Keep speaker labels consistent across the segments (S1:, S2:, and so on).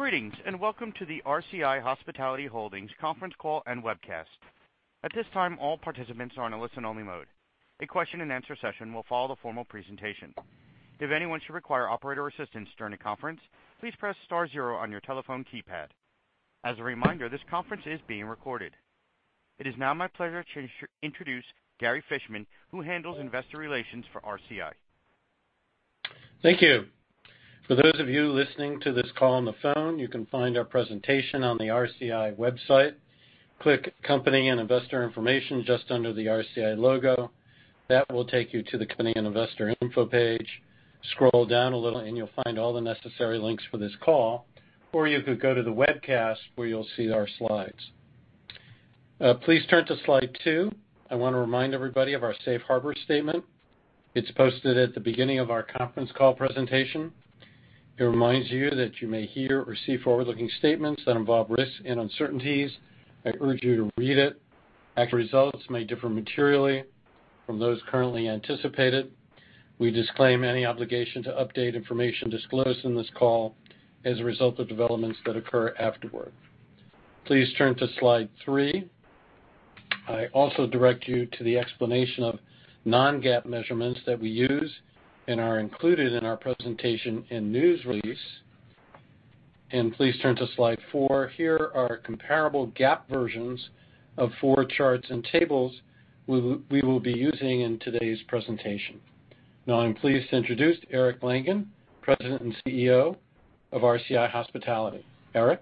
S1: Greetings, welcome to the RCI Hospitality Holdings conference call and webcast. At this time, all participants are in a listen-only mode. A question and answer session will follow the formal presentation. If anyone should require operator assistance during the conference, please press star zero on your telephone keypad. As a reminder, this conference is being recorded. It is now my pleasure to introduce Gary Fishman, who handles investor relations for RCI.
S2: Thank you. For those of you listening to this call on the phone, you can find our presentation on the RCI website. Click Company and Investor Information just under the RCI logo. That will take you to the Company and Investor Information page. Scroll down a little, you'll find all the necessary links for this call, or you could go to the webcast where you'll see our slides. Please turn to slide two. I want to remind everybody of our safe harbor statement. It's posted at the beginning of our conference call presentation. It reminds you that you may hear or see forward-looking statements that involve risks and uncertainties. I urge you to read it. Actual results may differ materially from those currently anticipated. We disclaim any obligation to update information disclosed on this call as a result of developments that occur afterward. Please turn to slide three. I also direct you to the explanation of non-GAAP measurements that we use and are included in our presentation and news release. Please turn to slide four. Here are comparable GAAP versions of four charts and tables we will be using in today's presentation. Now I'm pleased to introduce Eric Langan, President and CEO of RCI Hospitality. Eric?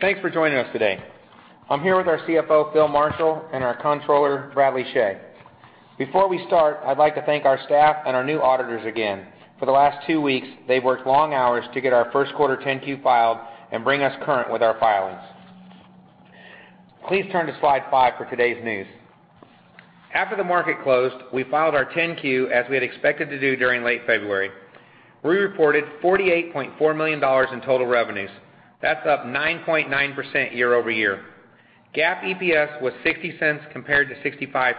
S3: Thanks for joining us today. I'm here with our CFO, Phil Marshall, and our Controller, Bradley Chhay. Before we start, I'd like to thank our staff and our new auditors again. For the last two weeks, they've worked long hours to get our first quarter Form 10-Q filed and bring us current with our filings. Please turn to slide five for today's news. After the market closed, we filed our Form 10-Q as we had expected to do during late February. We reported $48.4 million in total revenues. That's up 9.9% year-over-year. GAAP EPS was $0.60 compared to $0.65.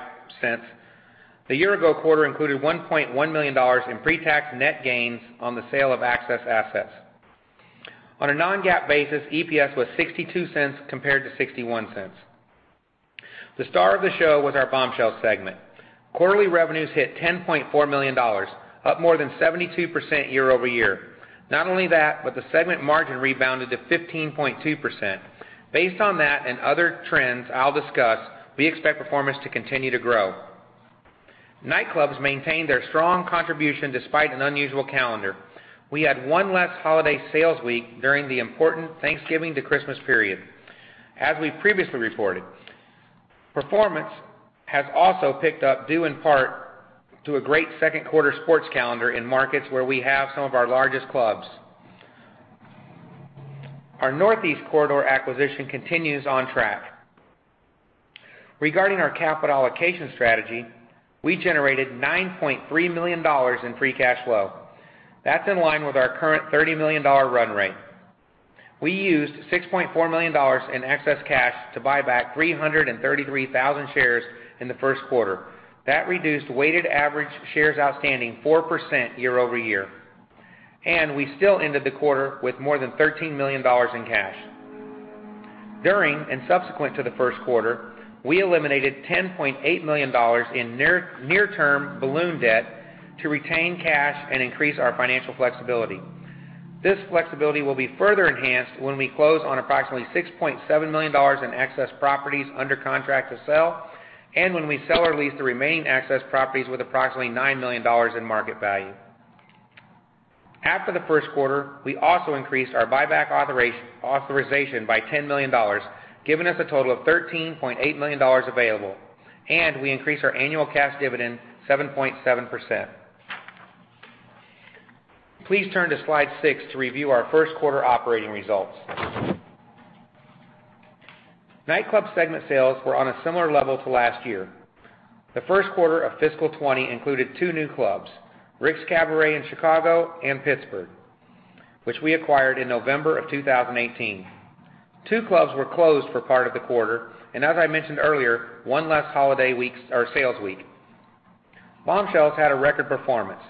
S3: The year-ago quarter included $1.1 million in pre-tax net gains on the sale of Access assets. On a non-GAAP basis, EPS was $0.62 compared to $0.61. The star of the show was our Bombshells segment. Quarterly revenues hit $10.4 million, up more than 72% year-over-year. Not only that, the segment margin rebounded to 15.2%. Based on that and other trends I'll discuss, we expect performance to continue to grow. Nightclubs maintained their strong contribution despite an unusual calendar. We had one less holiday sales week during the important Thanksgiving to Christmas period, as we previously reported. Performance has also picked up, due in part to a great second quarter sports calendar in markets where we have some of our largest clubs. Our Northeast Corridor acquisition continues on track. Regarding our capital allocation strategy, we generated $9.3 million in free cash flow. That's in line with our current $30 million run rate. We used $6.4 million in excess cash to buy back 333,000 shares in the first quarter. That reduced weighted average shares outstanding 4% year-over-year, and we still ended the quarter with more than $13 million in cash. During and subsequent to the first quarter, we eliminated $10.8 million in near-term balloon debt to retain cash and increase our financial flexibility. This flexibility will be further enhanced when we close on approximately $6.7 million in excess properties under contract to sell, and when we sell or lease the remaining excess properties with approximately $9 million in market value. After the first quarter, we also increased our buyback authorization by $10 million, giving us a total of $13.8 million available, and we increased our annual cash dividend 7.7%. Please turn to slide six to review our first quarter operating results. Nightclub segment sales were on a similar level to last year. The first quarter of fiscal 2020 included two new clubs, Rick's Cabaret in Chicago and Pittsburgh, which we acquired in November of 2018. Two clubs were closed for part of the quarter, and as I mentioned earlier, one less holiday sales week. Bombshells had a record performance.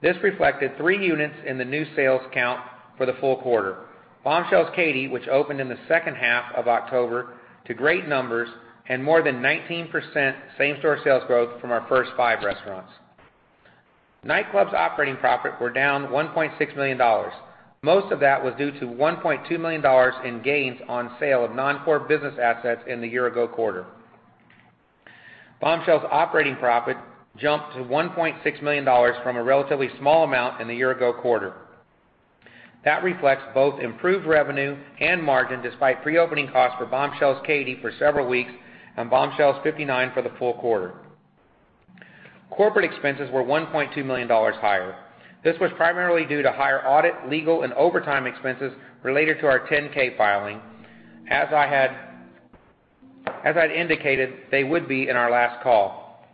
S3: This reflected three units in the new sales count for the full quarter. Bombshells Katy, which opened in the second half of October to great numbers and more than 19% same-store sales growth from our first five restaurants. Nightclub's operating profit were down $1.6 million. Most of that was due to $1.2 million in gains on sale of non-core business assets in the year-ago quarter. Bombshells' operating profit jumped to $1.6 million from a relatively small amount in the year-ago quarter. That reflects both improved revenue and margin, despite pre-opening costs for Bombshells Katy for several weeks and Bombshells 59 for the full quarter. Corporate expenses were $1.2 million higher. This was primarily due to higher audit, legal, and overtime expenses related to our Form 10-K filing, as I'd indicated they would be in our last call.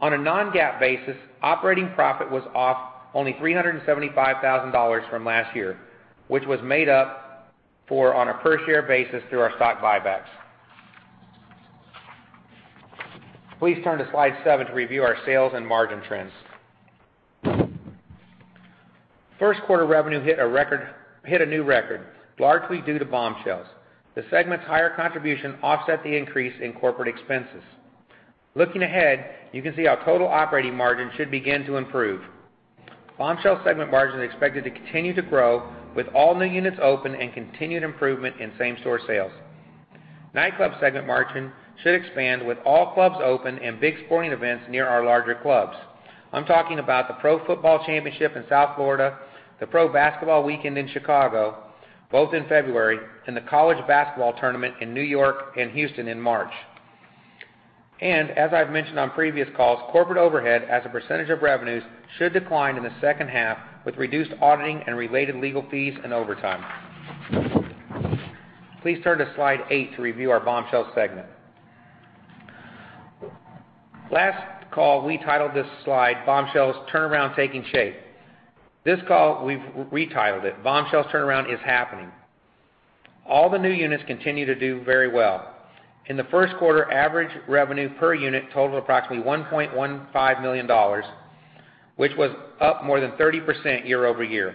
S3: On a non-GAAP basis, operating profit was off only $375,000 from last year, which was made up for on a per-share basis through our stock buybacks. Please turn to slide seven to review our sales and margin trends. First quarter revenue hit a new record, largely due to Bombshells. The segment's higher contribution offset the increase in corporate expenses. Looking ahead, you can see our total operating margin should begin to improve. Bombshells segment margin is expected to continue to grow with all new units open and continued improvement in same-store sales. Nightclub segment margin should expand with all clubs open and big sporting events near our larger clubs. I'm talking about the Pro Football Championship in South Florida, the NBA All-Star Weekend in Chicago, both in February, and the college basketball tournament in New York and Houston in March. As I've mentioned on previous calls, corporate overhead as a percentage of revenues, should decline in the second half with reduced auditing and related legal fees and overtime. Please turn to slide eight to review our Bombshells segment. Last call, we titled this slide Bombshells Turnaround Taking Shape. This call, we've retitled it, Bombshells Turnaround Is Happening. All the new units continue to do very well. In the first quarter, average revenue per unit totaled approximately $1.15 million, which was up more than 30% year-over-year.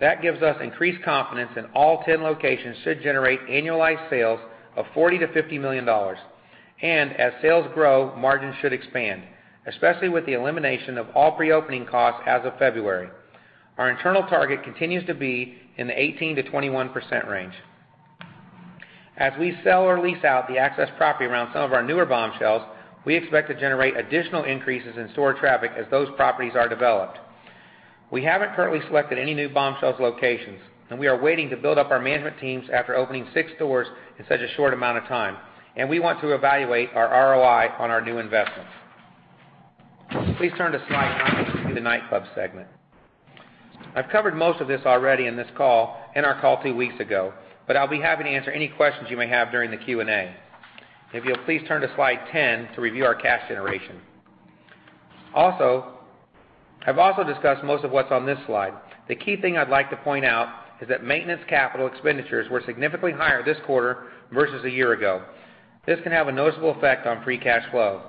S3: That gives us increased confidence in all 10 locations should generate annualized sales of $40 million-$50 million. As sales grow, margins should expand, especially with the elimination of all pre-opening costs as of February. Our internal target continues to be in the 18%-21% range. As we sell or lease out the excess property around some of our newer Bombshells, we expect to generate additional increases in store traffic as those properties are developed. We haven't currently selected any new Bombshells locations, and we are waiting to build up our management teams after opening six stores in such a short amount of time, and we want to evaluate our ROI on our new investments. Please turn to slide nine to see the Nightclub segment. I've covered most of this already in this call and our call two weeks ago, but I'll be happy to answer any questions you may have during the Q&A. If you'll please turn to slide 10 to review our cash generation. I've also discussed most of what's on this slide. The key thing I'd like to point out is that maintenance capital expenditures were significantly higher this quarter versus a year ago. This can have a noticeable effect on free cash flow.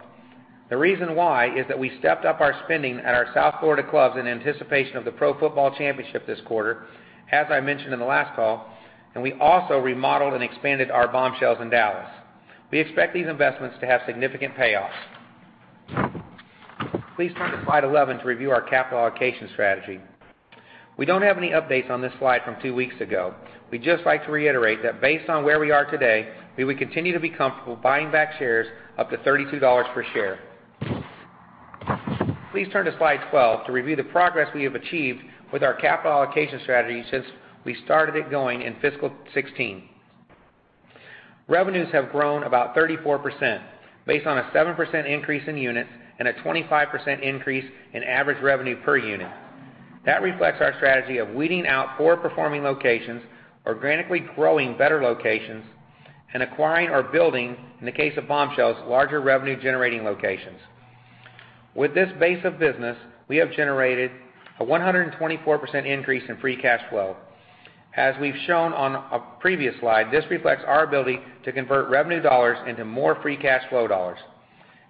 S3: The reason why is that we stepped up our spending at our South Florida clubs in anticipation of the Pro Football Championship this quarter, as I mentioned in the last call, and we also remodeled and expanded our Bombshells in Dallas. We expect these investments to have significant payoffs. Please turn to slide 11 to review our capital allocation strategy. We don't have any updates on this slide from two weeks ago. We'd just like to reiterate that based on where we are today, we would continue to be comfortable buying back shares up to $32 per share. Please turn to slide 12 to review the progress we have achieved with our capital allocation strategy since we started it going in fiscal 2016. Revenues have grown about 34%, based on a 7% increase in units and a 25% increase in average revenue per unit. That reflects our strategy of weeding out poor-performing locations, organically growing better locations, and acquiring or building, in the case of Bombshells, larger revenue-generating locations. With this base of business, we have generated a 124% increase in free cash flow. As we've shown on a previous slide, this reflects our ability to convert revenue dollars into more free cash flow dollars.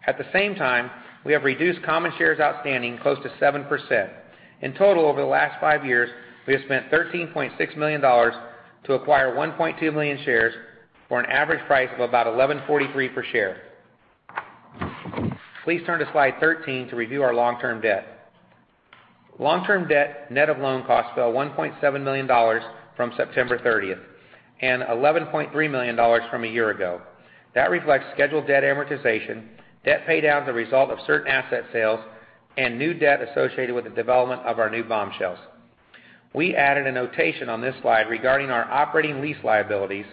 S3: At the same time, we have reduced common shares outstanding close to 7%. In total, over the last five years, we have spent $13.6 million to acquire 1.2 million shares for an average price of about $11.43 per share. Please turn to slide 13 to review our long-term debt. Long-term debt net of loan costs fell $1.7 million from September 30th and $11.3 million from a year ago. That reflects scheduled debt amortization, debt pay-down as a result of certain asset sales, and new debt associated with the development of our new Bombshells. We added a notation on this slide regarding our operating lease liabilities.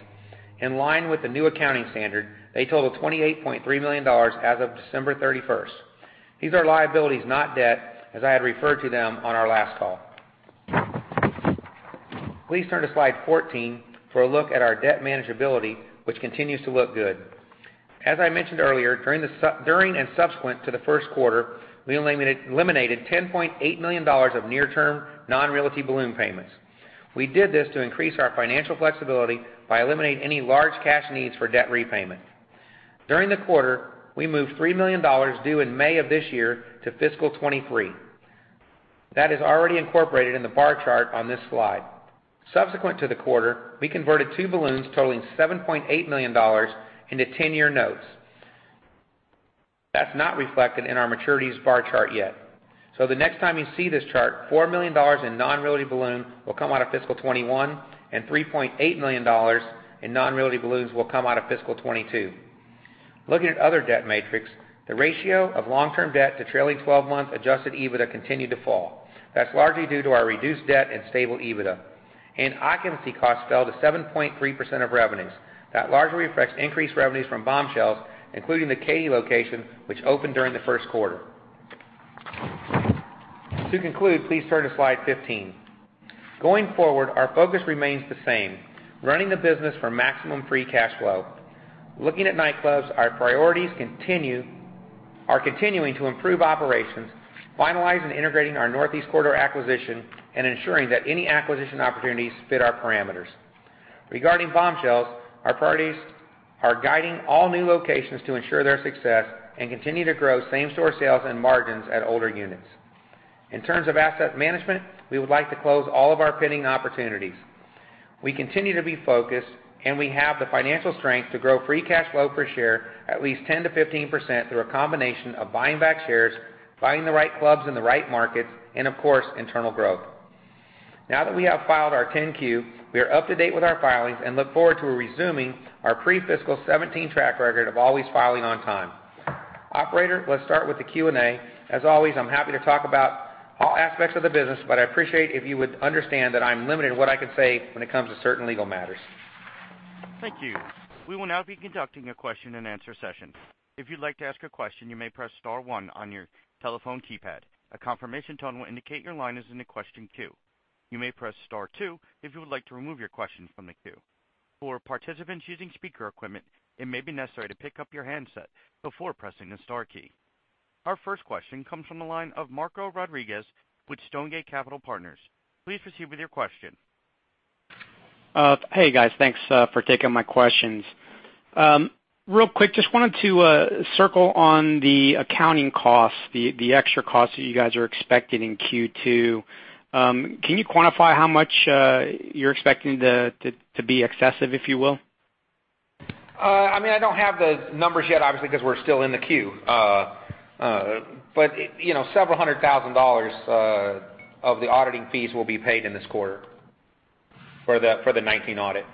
S3: In line with the new accounting standard, they total $28.3 million as of December 31st. These are liabilities, not debt, as I had referred to them on our last call. Please turn to slide 14 for a look at our debt manageability, which continues to look good. As I mentioned earlier, during and subsequent to the first quarter, we eliminated $10.8 million of near-term non-realty balloon payments. We did this to increase our financial flexibility by eliminating any large cash needs for debt repayment. During the quarter, we moved $3 million due in May of this year to fiscal 2023. That is already incorporated in the bar chart on this slide. Subsequent to the quarter, we converted two balloons totaling $7.8 million into 10-year notes. That's not reflected in our maturities bar chart yet. The next time you see this chart, $4 million in non-realty balloon will come out of fiscal 2021, and $3.8 million in non-realty balloons will come out of fiscal 2022. Looking at other debt metrics, the ratio of long-term debt to trailing 12 months adjusted EBITDA continued to fall. That's largely due to our reduced debt and stable EBITDA. Occupancy costs fell to 7.3% of revenues. That largely reflects increased revenues from Bombshells, including the Katy location, which opened during the first quarter. To conclude, please turn to slide 15. Going forward, our focus remains the same, running the business for maximum free cash flow. Looking at nightclubs, our priorities are continuing to improve operations, finalize and integrating our Northeast corridor acquisition, and ensuring that any acquisition opportunities fit our parameters. Regarding Bombshells, our priorities are guiding all new locations to ensure their success and continue to grow same store sales and margins at older units. In terms of asset management, we would like to close all of our pending opportunities. We continue to be focused, and we have the financial strength to grow free cash flow per share at least 10%-15% through a combination of buying back shares, finding the right clubs in the right markets, and of course, internal growth. Now that we have filed our Form 10-Q, we are up to date with our filings and look forward to resuming our pre-fiscal 2017 track record of always filing on time. Operator, let's start with the Q&A. As always, I'm happy to talk about all aspects of the business, but I appreciate if you would understand that I'm limited in what I can say when it comes to certain legal matters.
S1: Thank you. We will now be conducting a question and answer session. If you'd like to ask a question, you may press star one on your telephone keypad. A confirmation tone will indicate your line is in the question queue. You may press star two if you would like to remove your question from the queue. For participants using speaker equipment, it may be necessary to pick up your handset before pressing the star key. Our first question comes from the line of Marco Rodriguez with Stonegate Capital Partners. Please proceed with your question.
S4: Hey, guys. Thanks for taking my questions. Real quick, just wanted to circle on the accounting costs, the extra costs that you guys are expecting in Q2. Can you quantify how much you're expecting to be excessive, if you will?
S3: I don't have the numbers yet, obviously, because we're still in the Q. Several hundred thousand USD of the auditing fees will be paid in this quarter for the 2019 audit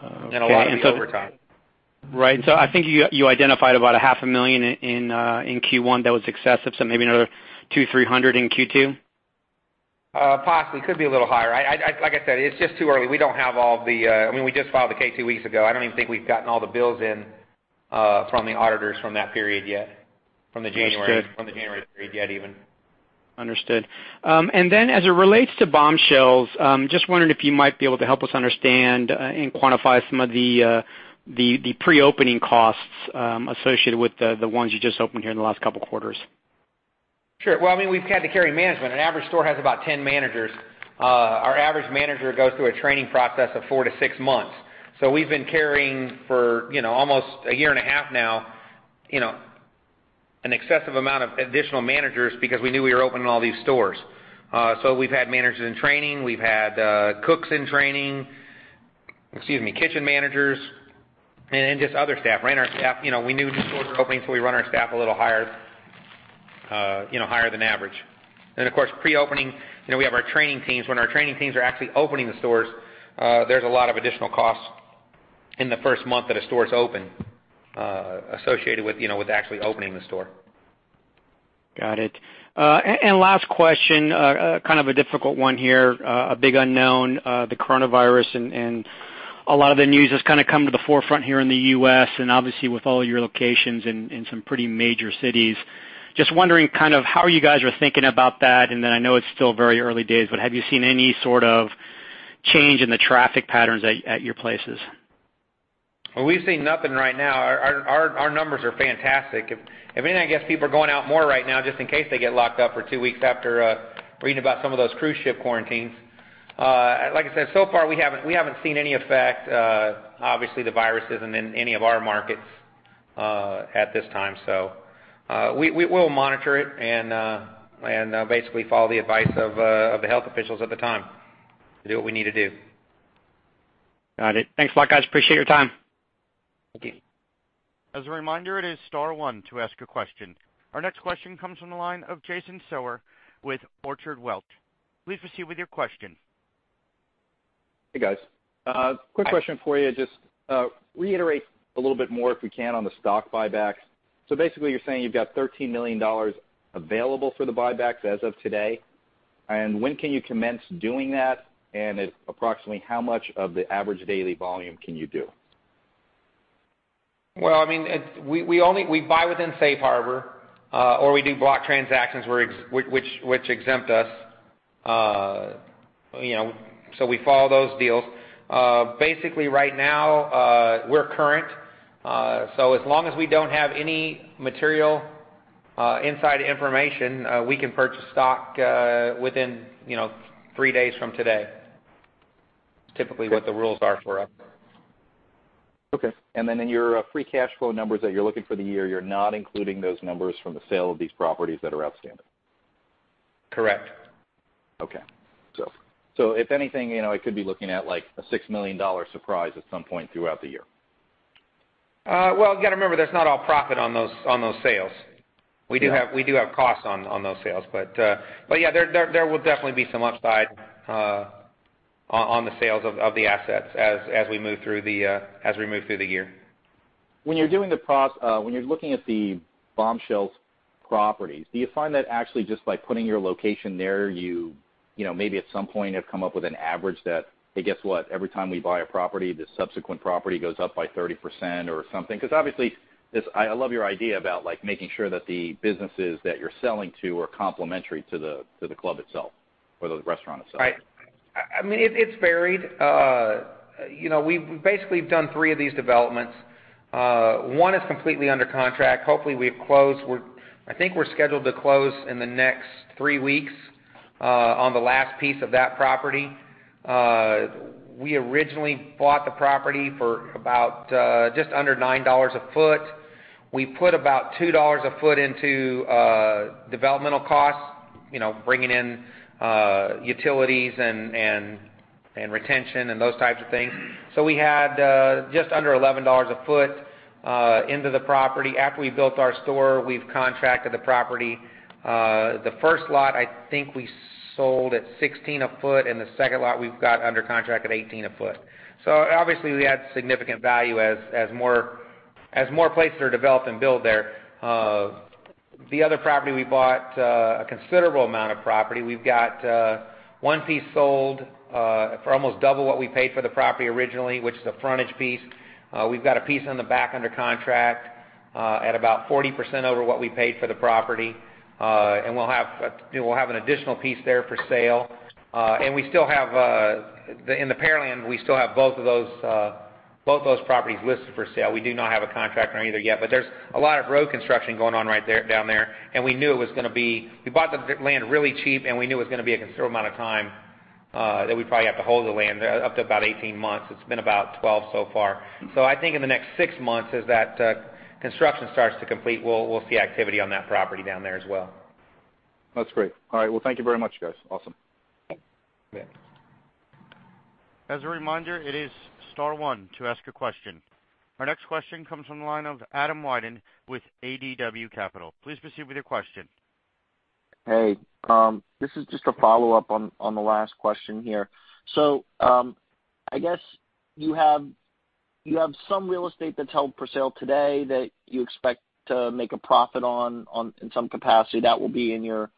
S3: a lot of the overtime.
S4: Right. I think you identified about a half a million in Q1 that was excessive, so maybe another two, $300 in Q2?
S3: Possibly. Could be a little higher. Like I said, it's just too early. We just filed the K two weeks ago. I don't even think we've gotten all the bills in from the auditors from that period yet, from January, from the January period yet, even.
S4: Understood. As it relates to Bombshells, just wondering if you might be able to help us understand and quantify some of the pre-opening costs associated with the ones you just opened here in the last couple of quarters.
S3: Sure. Well, we've had to carry management. An average store has about 10 managers. Our average manager goes through a training process of four to six months. We've been carrying for almost a year and a half now, an excessive amount of additional managers because we knew we were opening all these stores. We've had managers in training, we've had cooks in training, excuse me, kitchen managers, and just other staff. We ran our staff, we knew new stores were opening, so we run our staff a little higher than average. Of course, pre-opening, we have our training teams. When our training teams are actually opening the stores, there's a lot of additional costs in the first month that a store is open, associated with actually opening the store.
S4: Got it. Last question, kind of a difficult one here, a big unknown, the coronavirus and a lot of the news has kind of come to the forefront here in the U.S. and obviously with all your locations in some pretty major cities. Just wondering how you guys are thinking about that, and then I know it's still very early days, but have you seen any sort of change in the traffic patterns at your places?
S3: We've seen nothing right now. Our numbers are fantastic. If anything, I guess people are going out more right now just in case they get locked up for two weeks after reading about some of those cruise ship quarantines. So far, we haven't seen any effect. Obviously, the virus isn't in any of our markets at this time. We'll monitor it and basically follow the advice of the health officials at the time to do what we need to do.
S4: Got it. Thanks a lot, guys. Appreciate your time.
S3: Thank you.
S1: As a reminder, it is star one to ask a question. Our next question comes from the line of Jason Sower with Orchard Welch. Please proceed with your question.
S5: Hey, guys. Quick question for you. Just reiterate a little bit more, if we can, on the stock buybacks. Basically you're saying you've got $13 million available for the buybacks as of today, and when can you commence doing that? Approximately how much of the average daily volume can you do?
S3: Well, we buy within safe harbor, or we do block transactions which exempt us. We follow those deals. Basically right now, we're current. As long as we don't have any material inside information, we can purchase stock within three days from today. It's typically what the rules are for us.
S5: Okay. Then in your free cash flow numbers that you're looking for the year, you're not including those numbers from the sale of these properties that are outstanding?
S3: Correct.
S5: Okay. If anything, it could be looking at like a $6 million surprise at some point throughout the year.
S3: Well, you got to remember, that's not all profit on those sales. We do have costs on those sales. Yeah, there will definitely be some upside on the sales of the assets as we move through the year.
S5: When you're looking at the Bombshells properties, do you find that actually just by putting your location there, you maybe at some point have come up with an average that, "Hey, guess what? Every time we buy a property, the subsequent property goes up by 30% or something"? Obviously, I love your idea about making sure that the businesses that you're selling to are complementary to the club itself, or the restaurant itself.
S3: Right. It's varied. We've basically done three of these developments. One is completely under contract. Hopefully, we close. I think we're scheduled to close in the next three weeks. On the last piece of that property. We originally bought the property for about just under $9 a foot. We put about $2 a foot into developmental costs, bringing in utilities and retention and those types of things. We had just under $11 a foot into the property. After we built our store, we've contracted the property. The first lot, I think we sold at 16 a foot, and the second lot we've got under contract at 18 a foot. Obviously we add significant value as more places are developed and built there. The other property we bought, a considerable amount of property. We've got one piece sold for almost double what we paid for the property originally, which is a frontage piece. We've got a piece in the back under contract, at about 40% over what we paid for the property. We'll have an additional piece there for sale. In the Pearland, we still have both of those properties listed for sale. We do not have a contract on either yet, but there's a lot of road construction going on down there. We bought the land really cheap, and we knew it was going to be a considerable amount of time, that we'd probably have to hold the land up to about 18 months. It's been about 12 so far. I think in the next six months as that construction starts to complete, we'll see activity on that property down there as well.
S5: That's great. All right. Well, thank you very much, guys. Awesome.
S3: Yeah.
S1: As a reminder, it is star one to ask a question. Our next question comes from the line of Adam Wyden with ADW Capital. Please proceed with your question.
S6: Hey, this is just a follow-up on the last question here. I guess you have some real estate that's held for sale today that you expect to make a profit on in some capacity that will be in your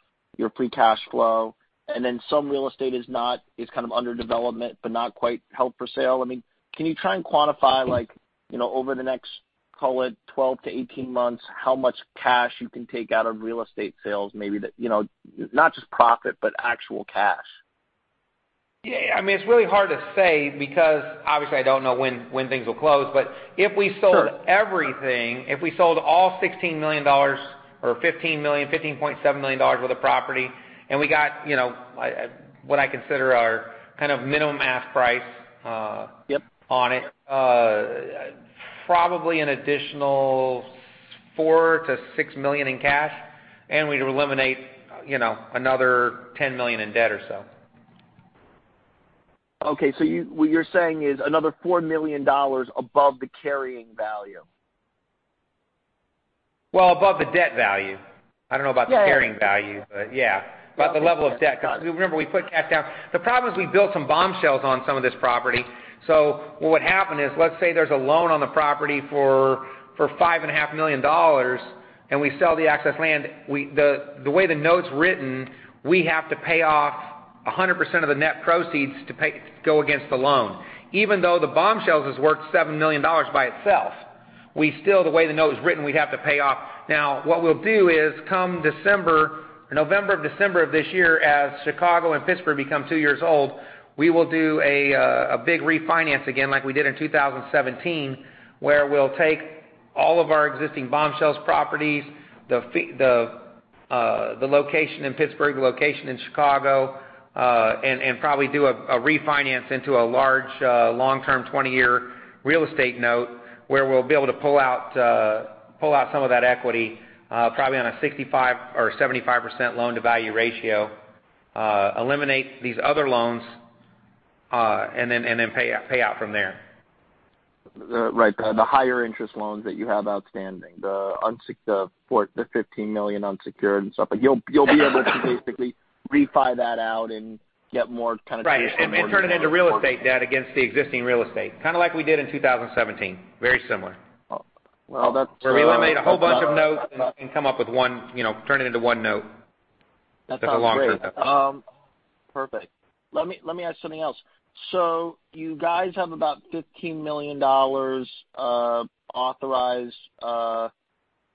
S6: free cash flow. Some real estate is kind of under development, but not quite held for sale. Can you try and quantify over the next, call it 12 to 18 months, how much cash you can take out of real estate sales, maybe not just profit, but actual cash?
S3: Yeah. It's really hard to say because obviously I don't know when things will close. If we sold everything, if we sold all $16 million or $15.7 million worth of property, and we got what I consider our kind of minimum ask price on it, probably an additional $4 million-$6 million in cash, and we'd eliminate another $10 million in debt or so.
S6: Okay. What you're saying is another $4 million above the carrying value?
S3: Above the debt value. I don't know about the carrying value. Yeah, above the level of debt, because remember, we put cash down. The problem is we built some Bombshells on some of this property. What would happen is, let's say there's a loan on the property for $5.5 million, and we sell the excess land. The way the note's written, we have to pay off 100% of the net proceeds to go against the loan. Even though the Bombshells is worth $7 million by itself, the way the note is written, we'd have to pay off. What we'll do is come November, December of this year, as Chicago and Pittsburgh become two years old, we will do a big refinance again, like we did in 2017, where we'll take all of our existing Bombshells properties, the location in Pittsburgh, the location in Chicago, and probably do a refinance into a large, long-term, 20-year real estate note where we'll be able to pull out some of that equity, probably on a 65% or 75% loan-to-value ratio, eliminate these other loans, and then pay out from there.
S6: Right. The higher interest loans that you have outstanding, the $15 million unsecured and stuff. You'll be able to basically refi that out and get more kind of traditional mortgage.
S3: Right, turn it into real estate debt against the existing real estate. Kind of like we did in 2017. Very similar.
S6: Well, that's-
S3: Where we eliminate a whole bunch of notes and can turn it into one note.
S6: That sounds great.
S3: With a longer term.
S6: Perfect. Let me ask something else. You guys have about $15 million authorized on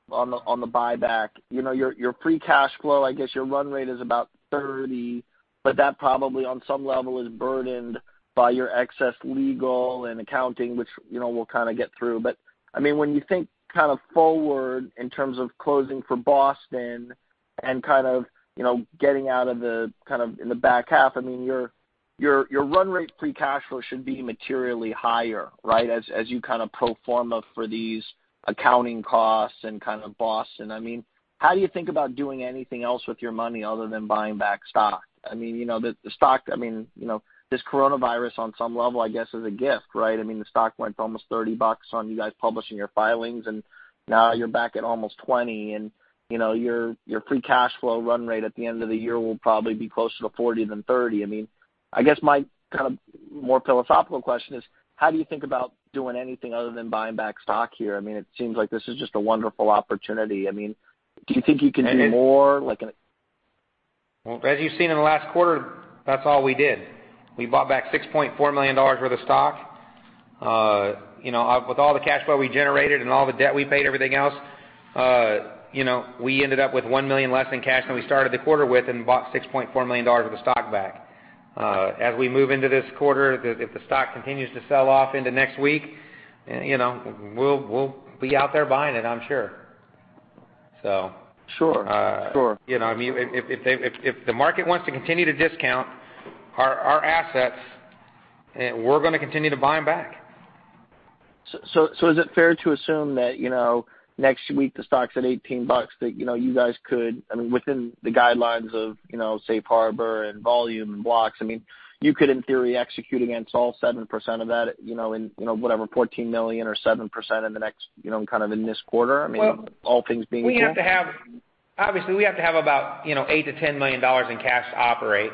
S6: the buyback. Your free cash flow, I guess your run rate is about $30 million, but that probably on some level is burdened by your excess legal and accounting, which we'll kind of get through. When you think kind of forward in terms of closing for Boston and kind of getting out of the back half, your run rate free cash flow should be materially higher, right? As you kind of pro forma for these accounting costs and kind of Boston. How do you think about doing anything else with your money other than buying back stock? This coronavirus on some level, I guess, is a gift, right? The stock went to almost $30 on you guys publishing your filings, and now you're back at almost $20, and your free cash flow run rate at the end of the year will probably be closer to $40 than $30. I guess my kind of more philosophical question is, how do you think about doing anything other than buying back stock here? It seems like this is just a wonderful opportunity. Do you think you can do more?
S3: Well, as you've seen in the last quarter, that's all we did. We bought back $6.4 million worth of stock. With all the cash flow we generated and all the debt we paid, everything else, we ended up with $1 million less in cash than we started the quarter with and bought $6.4 million worth of stock back. As we move into this quarter, if the stock continues to sell off into next week, we'll be out there buying it, I'm sure.
S6: Sure.
S3: If the market wants to continue to discount our assets, we're going to continue to buy them back.
S6: Is it fair to assume that next week the stock's at $18, that you guys could, within the guidelines of safe harbor and volume blocks, you could in theory execute against all 7% of that in whatever, $14 million or 7% in this quarter, all things being equal?
S3: We have to have about $8 million to $10 million in cash to operate.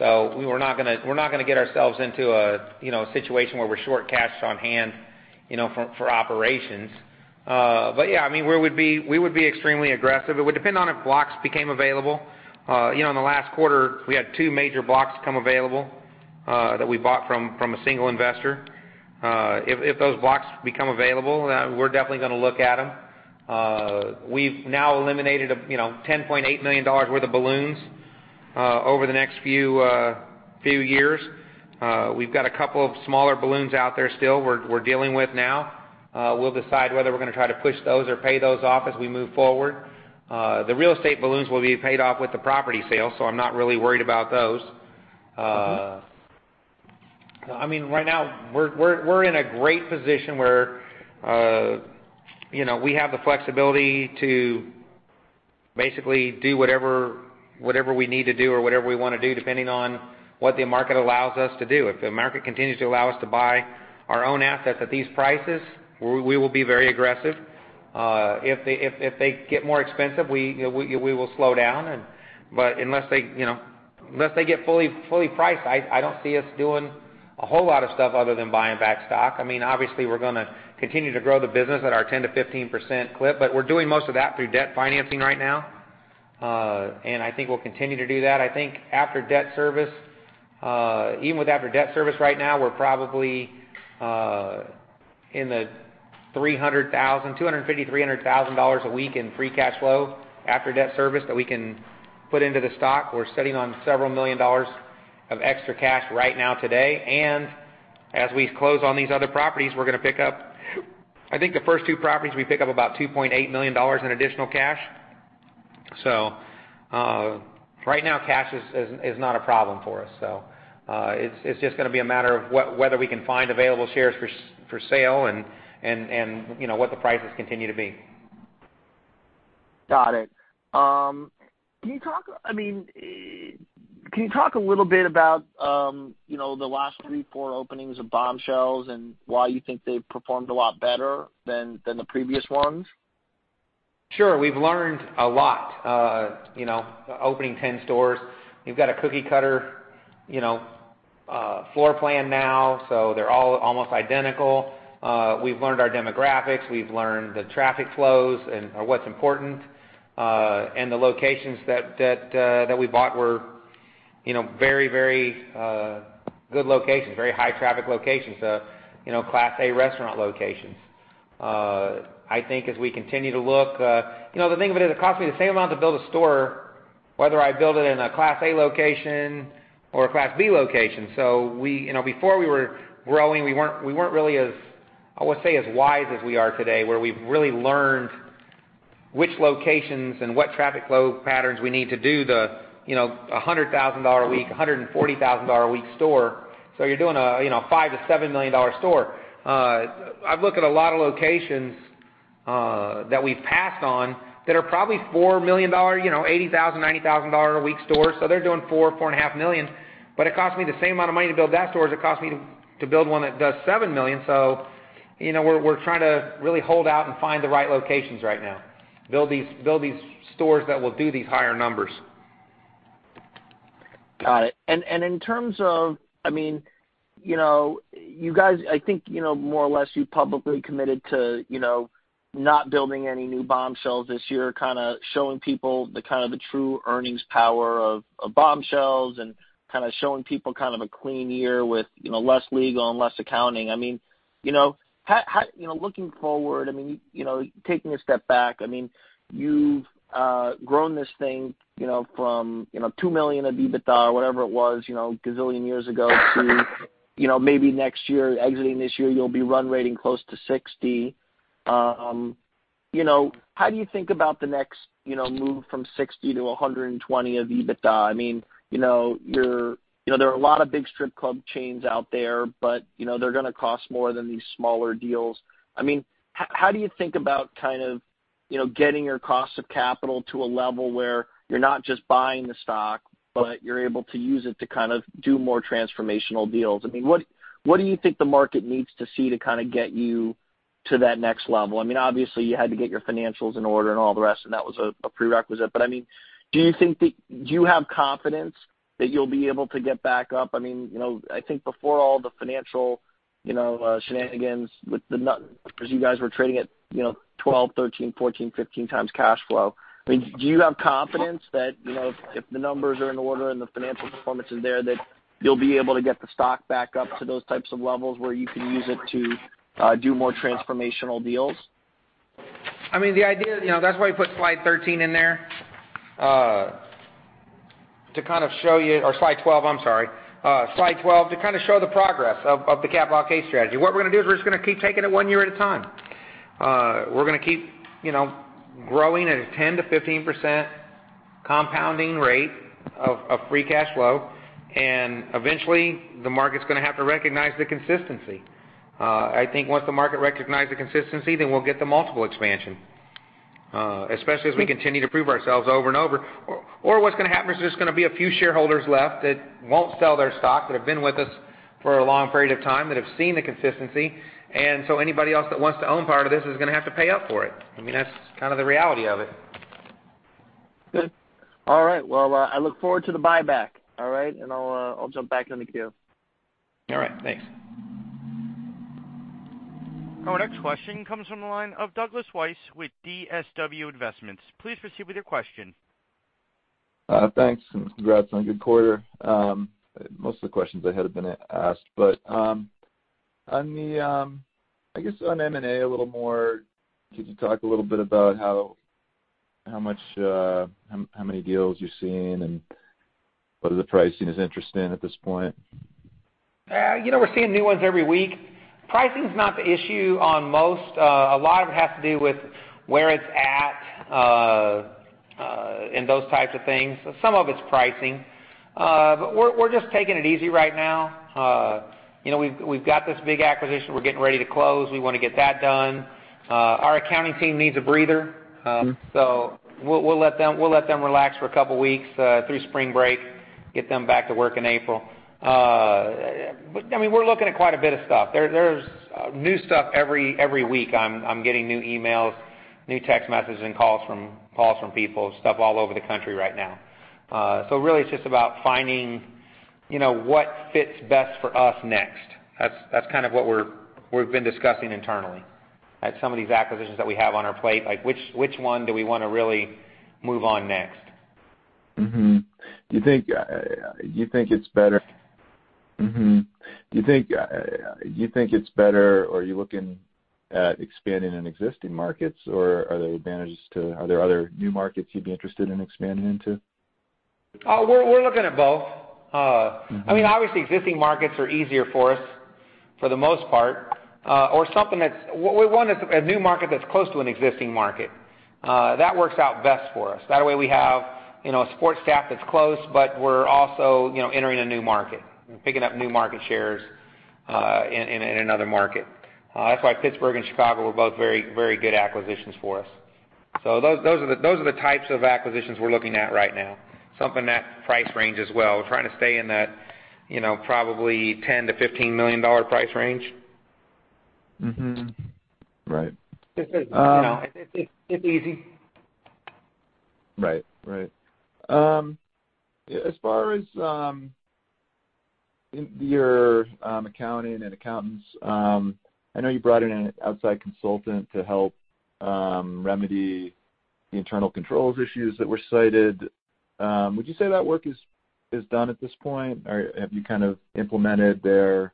S3: We're not going to get ourselves into a situation where we're short cash on hand for operations. Yeah, we would be extremely aggressive. It would depend on if blocks became available. In the last quarter, we had two major blocks come available that we bought from a single investor. If those blocks become available, we're definitely going to look at them. We've now eliminated $10.8 million worth of balloons over the next few years. We've got a couple of smaller balloons out there still, we're dealing with now. We'll decide whether we're going to try to push those or pay those off as we move forward. The real estate balloons will be paid off with the property sale. I'm not really worried about those. Right now, we're in a great position where we have the flexibility to basically do whatever we need to do or whatever we want to do, depending on what the market allows us to do. If the market continues to allow us to buy our own assets at these prices, we will be very aggressive. If they get more expensive, we will slow down, but unless they get fully priced, I don't see us doing a whole lot of stuff other than buying back stock. Obviously, we're going to continue to grow the business at our 10%-15% clip, but we're doing most of that through debt financing right now. I think we'll continue to do that. I think even with after debt service right now, we're probably in the $250,000, $300,000 a week in free cash flow after debt service that we can put into the stock. We're sitting on several million dollars of extra cash right now today, and as we close on these other properties, we're going to pick up I think the first two properties, we pick up about $2.8 million in additional cash. Right now, cash is not a problem for us. It's just going to be a matter of whether we can find available shares for sale, and what the prices continue to be.
S6: Got it. Can you talk a little bit about the last three, four openings of Bombshells and why you think they've performed a lot better than the previous ones?
S3: Sure. We've learned a lot opening 10 stores. We've got a cookie-cutter floor plan now, they're all almost identical. We've learned our demographics, we've learned the traffic flows and what's important. The locations that we bought were very good locations, very high traffic locations, Class A restaurant locations. The thing of it is, it costs me the same amount to build a store, whether I build it in a Class A location or a Class B location. Before we were growing, we weren't really as, I would say, as wise as we are today, where we've really learned which locations and what traffic flow patterns we need to do the $100,000 a week, $140,000 a week store. You're doing a $5 million-$7 million store. I've looked at a lot of locations that we've passed on that are probably $4 million, $80,000, $90,000 a week stores, so they're doing $4 million, $4.5 million. It costs me the same amount of money to build that store as it costs me to build one that does $7 million. We're trying to really hold out and find the right locations right now. Build these stores that will do these higher numbers.
S6: Got it. I think more or less you publicly committed to not building any new Bombshells this year, kind of showing people the true earnings power of Bombshells and kind of showing people a clean year with less legal and less accounting. Looking forward, taking a step back, you've grown this thing from $2 million of EBITDA, or whatever it was, a gazillion years ago to maybe next year, exiting this year, you'll be run rating close to $60 million. How do you think about the next move from $60 million to $120 million of EBITDA? There are a lot of big strip club chains out there, but they're going to cost more than these smaller deals. How do you think about getting your cost of capital to a level where you're not just buying the stock, but you're able to use it to do more transformational deals? What do you think the market needs to see to kind of get you to that next level? Obviously, you had to get your financials in order and all the rest, and that was a prerequisite. Do you have confidence that you'll be able to get back up? I think before all the financial shenanigans, you guys were trading at 12, 13, 14, 15 times cash flow. Do you have confidence that if the numbers are in order and the financial performance is there, that you'll be able to get the stock back up to those types of levels where you can use it to do more transformational deals?
S3: That's why I put slide 13 in there to kind of show you. Or slide 12, I'm sorry. Slide 12, to kind of show the progress of the capital allocation strategy. What we're going to do is we're just going to keep taking it one year at a time. We're going to keep growing at a 10%-15% compounding rate of free cash flow. Eventually, the market's going to have to recognize the consistency. I think once the market recognizes the consistency, we'll get the multiple expansion, especially as we continue to prove ourselves over and over. What's going to happen is there's going to be a few shareholders left that won't sell their stock, that have been with us for a long period of time, that have seen the consistency. Anybody else that wants to own part of this is going to have to pay up for it. I mean, that's kind of the reality of it.
S6: Good. All right. Well, I look forward to the buyback. All right? I'll jump back in the queue.
S3: All right. Thanks.
S1: Our next question comes from the line of Douglas Weiss with DSW Investments. Please proceed with your question.
S7: Thanks. Congrats on a good quarter. Most of the questions I had have been asked. I guess on M&A a little more, could you talk a little bit about how many deals you're seeing, and what are the pricing is interesting at this point?
S3: We're seeing new ones every week. Pricing's not the issue on most. A lot of it has to do with where it's at, and those types of things. Some of it's pricing. We're just taking it easy right now. We've got this big acquisition, we're getting ready to close. We want to get that done. Our accounting team needs a breather. We'll let them relax for a couple of weeks, through spring break, get them back to work in April. I mean, we're looking at quite a bit of stuff. There's new stuff every week. I'm getting new emails, new text messages, and calls from people, stuff all over the country right now. Really, it's just about finding what fits best for us next. That's kind of what we've been discussing internally. At some of these acquisitions that we have on our plate, like which one do we want to really move on next?
S7: Do you think it's better, or are you looking at expanding in existing markets, or are there other new markets you'd be interested in expanding into?
S3: We're looking at both. I mean, obviously existing markets are easier for us, for the most part. What we want is a new market that's close to an existing market. That works out best for us. That way, we have a support staff that's close, but we're also entering a new market and picking up new market shares in another market. That's why Pittsburgh and Chicago were both very good acquisitions for us. Those are the types of acquisitions we're looking at right now. Something in that price range as well. We're trying to stay in that probably $10 million-$15 million price range.
S7: Right.
S3: It's easy.
S7: Right. As far as your accounting and accountants, I know you brought in an outside consultant to help remedy the internal controls issues that were cited. Would you say that work is done at this point? Have you kind of implemented their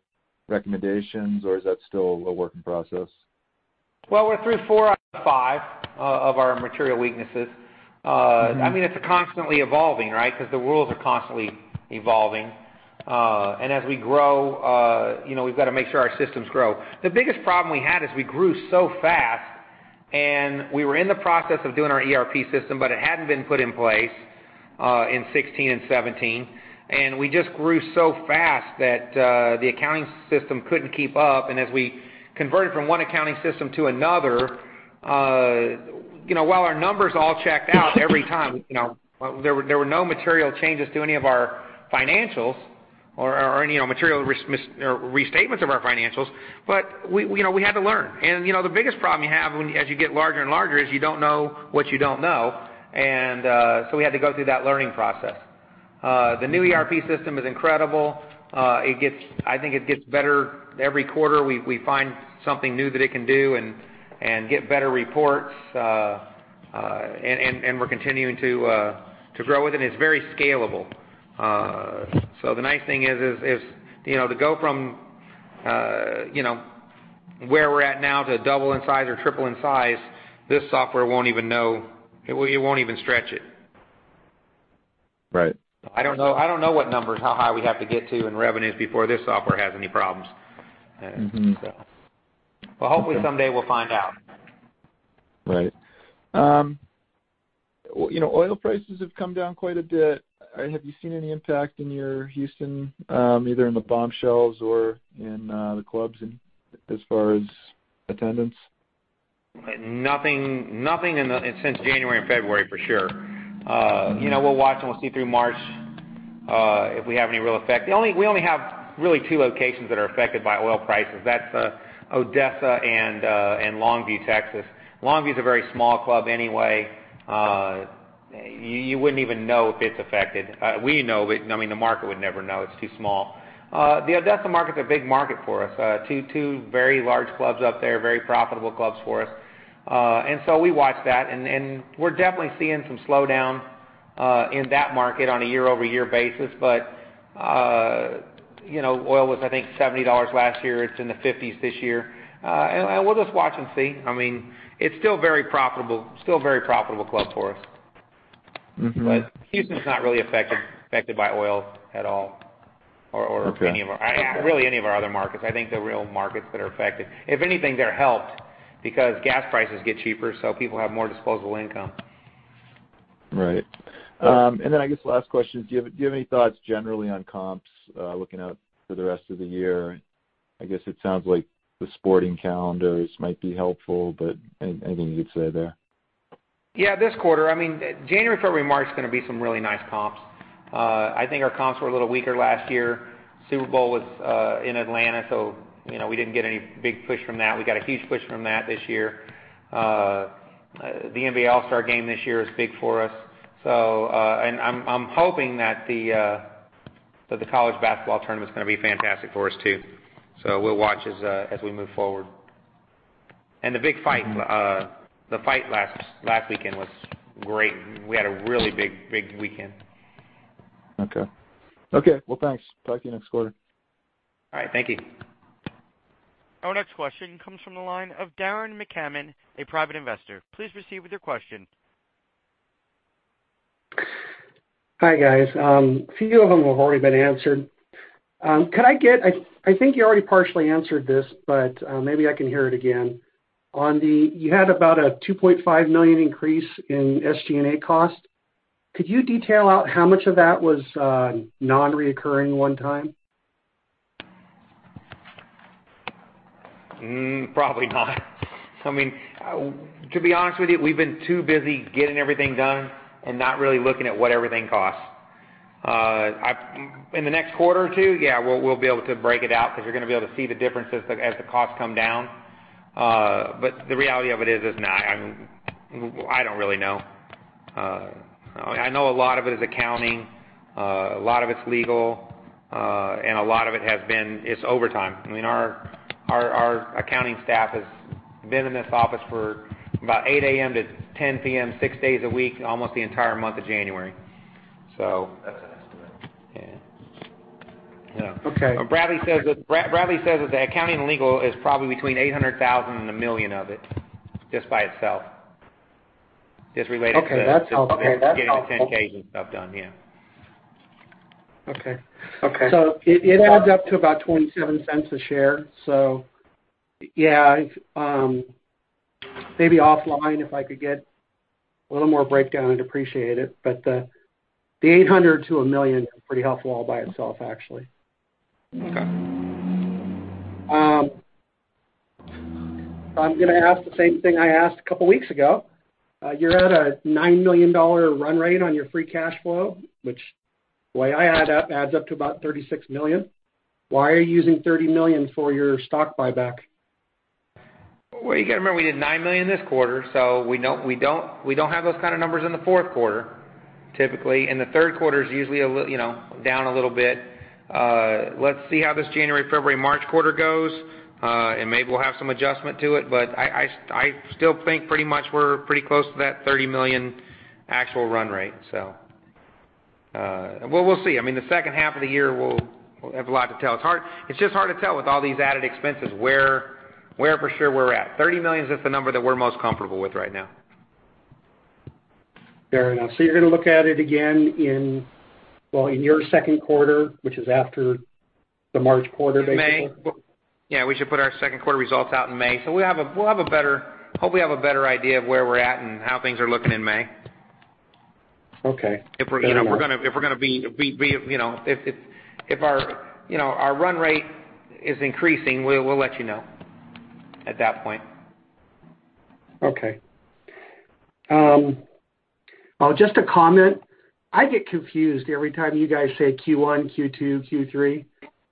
S7: recommendations, or is that still a work in process?
S3: Well, we're three of four out of five of our material weaknesses. I mean, it's constantly evolving, right? Because the rules are constantly evolving. As we grow, we've got to make sure our systems grow. The biggest problem we had is we grew so fast, and we were in the process of doing our ERP system, but it hadn't been put in place in 2016 and 2017, and we just grew so fast that the accounting system couldn't keep up. As we converted from one accounting system to another, while our numbers all checked out every time, there were no material changes to any of our financials or any material restatements of our financials, but we had to learn. The biggest problem you have as you get larger and larger is you don't know what you don't know. We had to go through that learning process. The new ERP system is incredible. I think it gets better every quarter. We find something new that it can do and get better reports. We're continuing to grow with it, and it's very scalable. The nice thing is to go from where we're at now to double in size or triple in size, this software, it won't even stretch it.
S7: Right.
S3: I don't know what numbers, how high we have to get to in revenues before this software has any problems. Well, hopefully someday we'll find out.
S7: Right. Oil prices have come down quite a bit. Have you seen any impact in your Houston, either in the Bombshells or in the clubs and as far as attendance?
S3: Nothing since January and February, for sure. We'll watch and we'll see through March if we have any real effect. We only have really two locations that are affected by oil prices. That's Odessa and Longview, Texas. Longview's a very small club anyway. You wouldn't even know if it's affected. We know, but I mean, the market would never know. It's too small. The Odessa market's a big market for us. Two very large clubs up there, very profitable clubs for us. We watch that, and we're definitely seeing some slowdown in that market on a year-over-year basis. Oil was, I think, $70 last year. It's in the $50s this year. We'll just watch and see. It's still a very profitable club for us. Houston's not really affected by oil at all.
S7: Okay
S3: Really any of our other markets. I think the real markets that are affected, if anything, they're helped because gas prices get cheaper, so people have more disposable income.
S7: Right. I guess the last question, do you have any thoughts generally on comps looking out for the rest of the year? I guess it sounds like the sporting calendars might be helpful, anything you'd say there?
S3: Yeah. This quarter, January, February, March is going to be some really nice comps. I think our comps were a little weaker last year. Super Bowl was in Atlanta, so we didn't get any big push from that. We got a huge push from that this year. The NBA All-Star game this year is big for us. I'm hoping that the college basketball tournament is going to be fantastic for us, too. We'll watch as we move forward. The big fight last weekend was great. We had a really big weekend.
S7: Okay. Well, thanks. Talk to you next quarter.
S3: All right. Thank you.
S1: Our next question comes from the line of Darren McCammon, a private investor. Please proceed with your question.
S8: Hi, guys. A few of them have already been answered. I think you already partially answered this, but maybe I can hear it again. You had about a $2.5 million increase in SG&A cost. Could you detail out how much of that was non-reoccurring one time?
S3: Probably not. To be honest with you, we've been too busy getting everything done and not really looking at what everything costs. In the next quarter or two, yeah, we'll be able to break it out because you're going to be able to see the differences as the costs come down. The reality of it is nah, I don't really know. I know a lot of it is accounting, a lot of it's legal, and a lot of it has been, it's overtime. Our accounting staff has been in this office for about 8:00 A.M. to 10:00 P.M., six days a week, almost the entire month of January.
S7: That's an estimate.
S3: Yeah.
S8: Okay.
S3: Bradley says that the accounting and legal is probably between $800,000 and $1 million of it just by itself.
S8: Okay. That's helpful.
S3: getting the Form 10-Ks and stuff done, yeah.
S8: Okay.
S3: Okay.
S8: It adds up to about $0.27 a share. Yeah. Maybe offline, if I could get a little more breakdown, I'd appreciate it, but the $800,000 to $1 million is pretty helpful all by itself, actually.
S3: Okay.
S8: I'm gonna ask the same thing I asked a couple of weeks ago. You're at a $9 million run rate on your free cash flow, which the way I add up adds up to about $36 million. Why are you using $30 million for your stock buyback?
S3: Well, you got to remember, we did $9 million this quarter, so we don't have those kind of numbers in the fourth quarter typically, and the third quarter is usually down a little bit. Let's see how this January, February, March quarter goes, and maybe we'll have some adjustment to it, but I still think pretty much we're pretty close to that $30 million actual run rate. We'll see. The second half of the year, we'll have a lot to tell. It's just hard to tell with all these added expenses where for sure we're at. $30 million is just the number that we're most comfortable with right now.
S8: Fair enough. You're going to look at it again in your second quarter, which is after the March quarter, basically?
S3: May. Yeah, we should put our second quarter results out in May. We'll hopefully have a better idea of where we're at and how things are looking in May.
S8: Okay. Fair enough.
S3: If our run rate is increasing, we'll let you know at that point.
S8: Okay. Just a comment. I get confused every time you guys say Q1, Q2, Q3.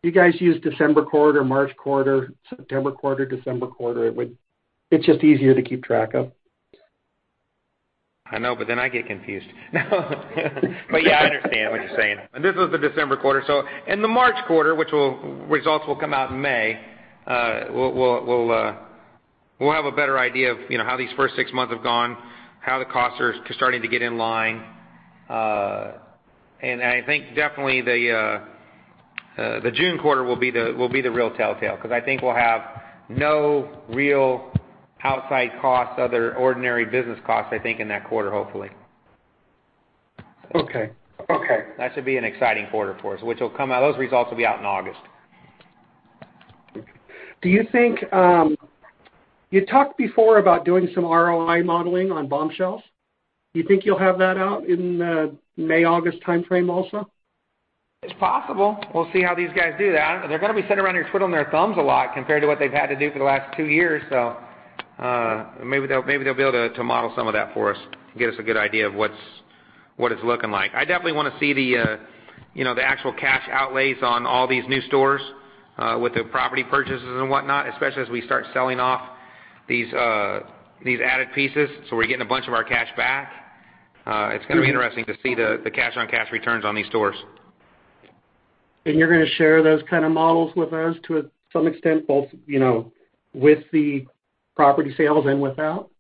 S8: You guys use December quarter, March quarter, September quarter, December quarter. It's just easier to keep track of.
S3: I know, but then I get confused. Yeah, I understand what you're saying. This was the December quarter, so in the March quarter, which results will come out in May, we'll have a better idea of how these first six months have gone, how the costs are starting to get in line. I think definitely the June quarter will be the real telltale because I think we'll have no real outside costs other than ordinary business costs, I think, in that quarter, hopefully.
S8: Okay.
S3: That should be an exciting quarter for us, which those results will be out in August.
S8: Okay. You talked before about doing some ROI modeling on Bombshells. You think you'll have that out in the May, August timeframe, also?
S3: It's possible. We'll see how these guys do that. They're going to be sitting around here twiddling their thumbs a lot compared to what they've had to do for the last two years, so maybe they'll be able to model some of that for us, give us a good idea of what it's looking like. I definitely want to see the actual cash outlays on all these new stores, with the property purchases and whatnot, especially as we start selling off these added pieces. We're getting a bunch of our cash back. It's going to be interesting to see the cash on cash returns on these stores.
S8: You're going to share those kind of models with us to some extent, both with the property sales and without?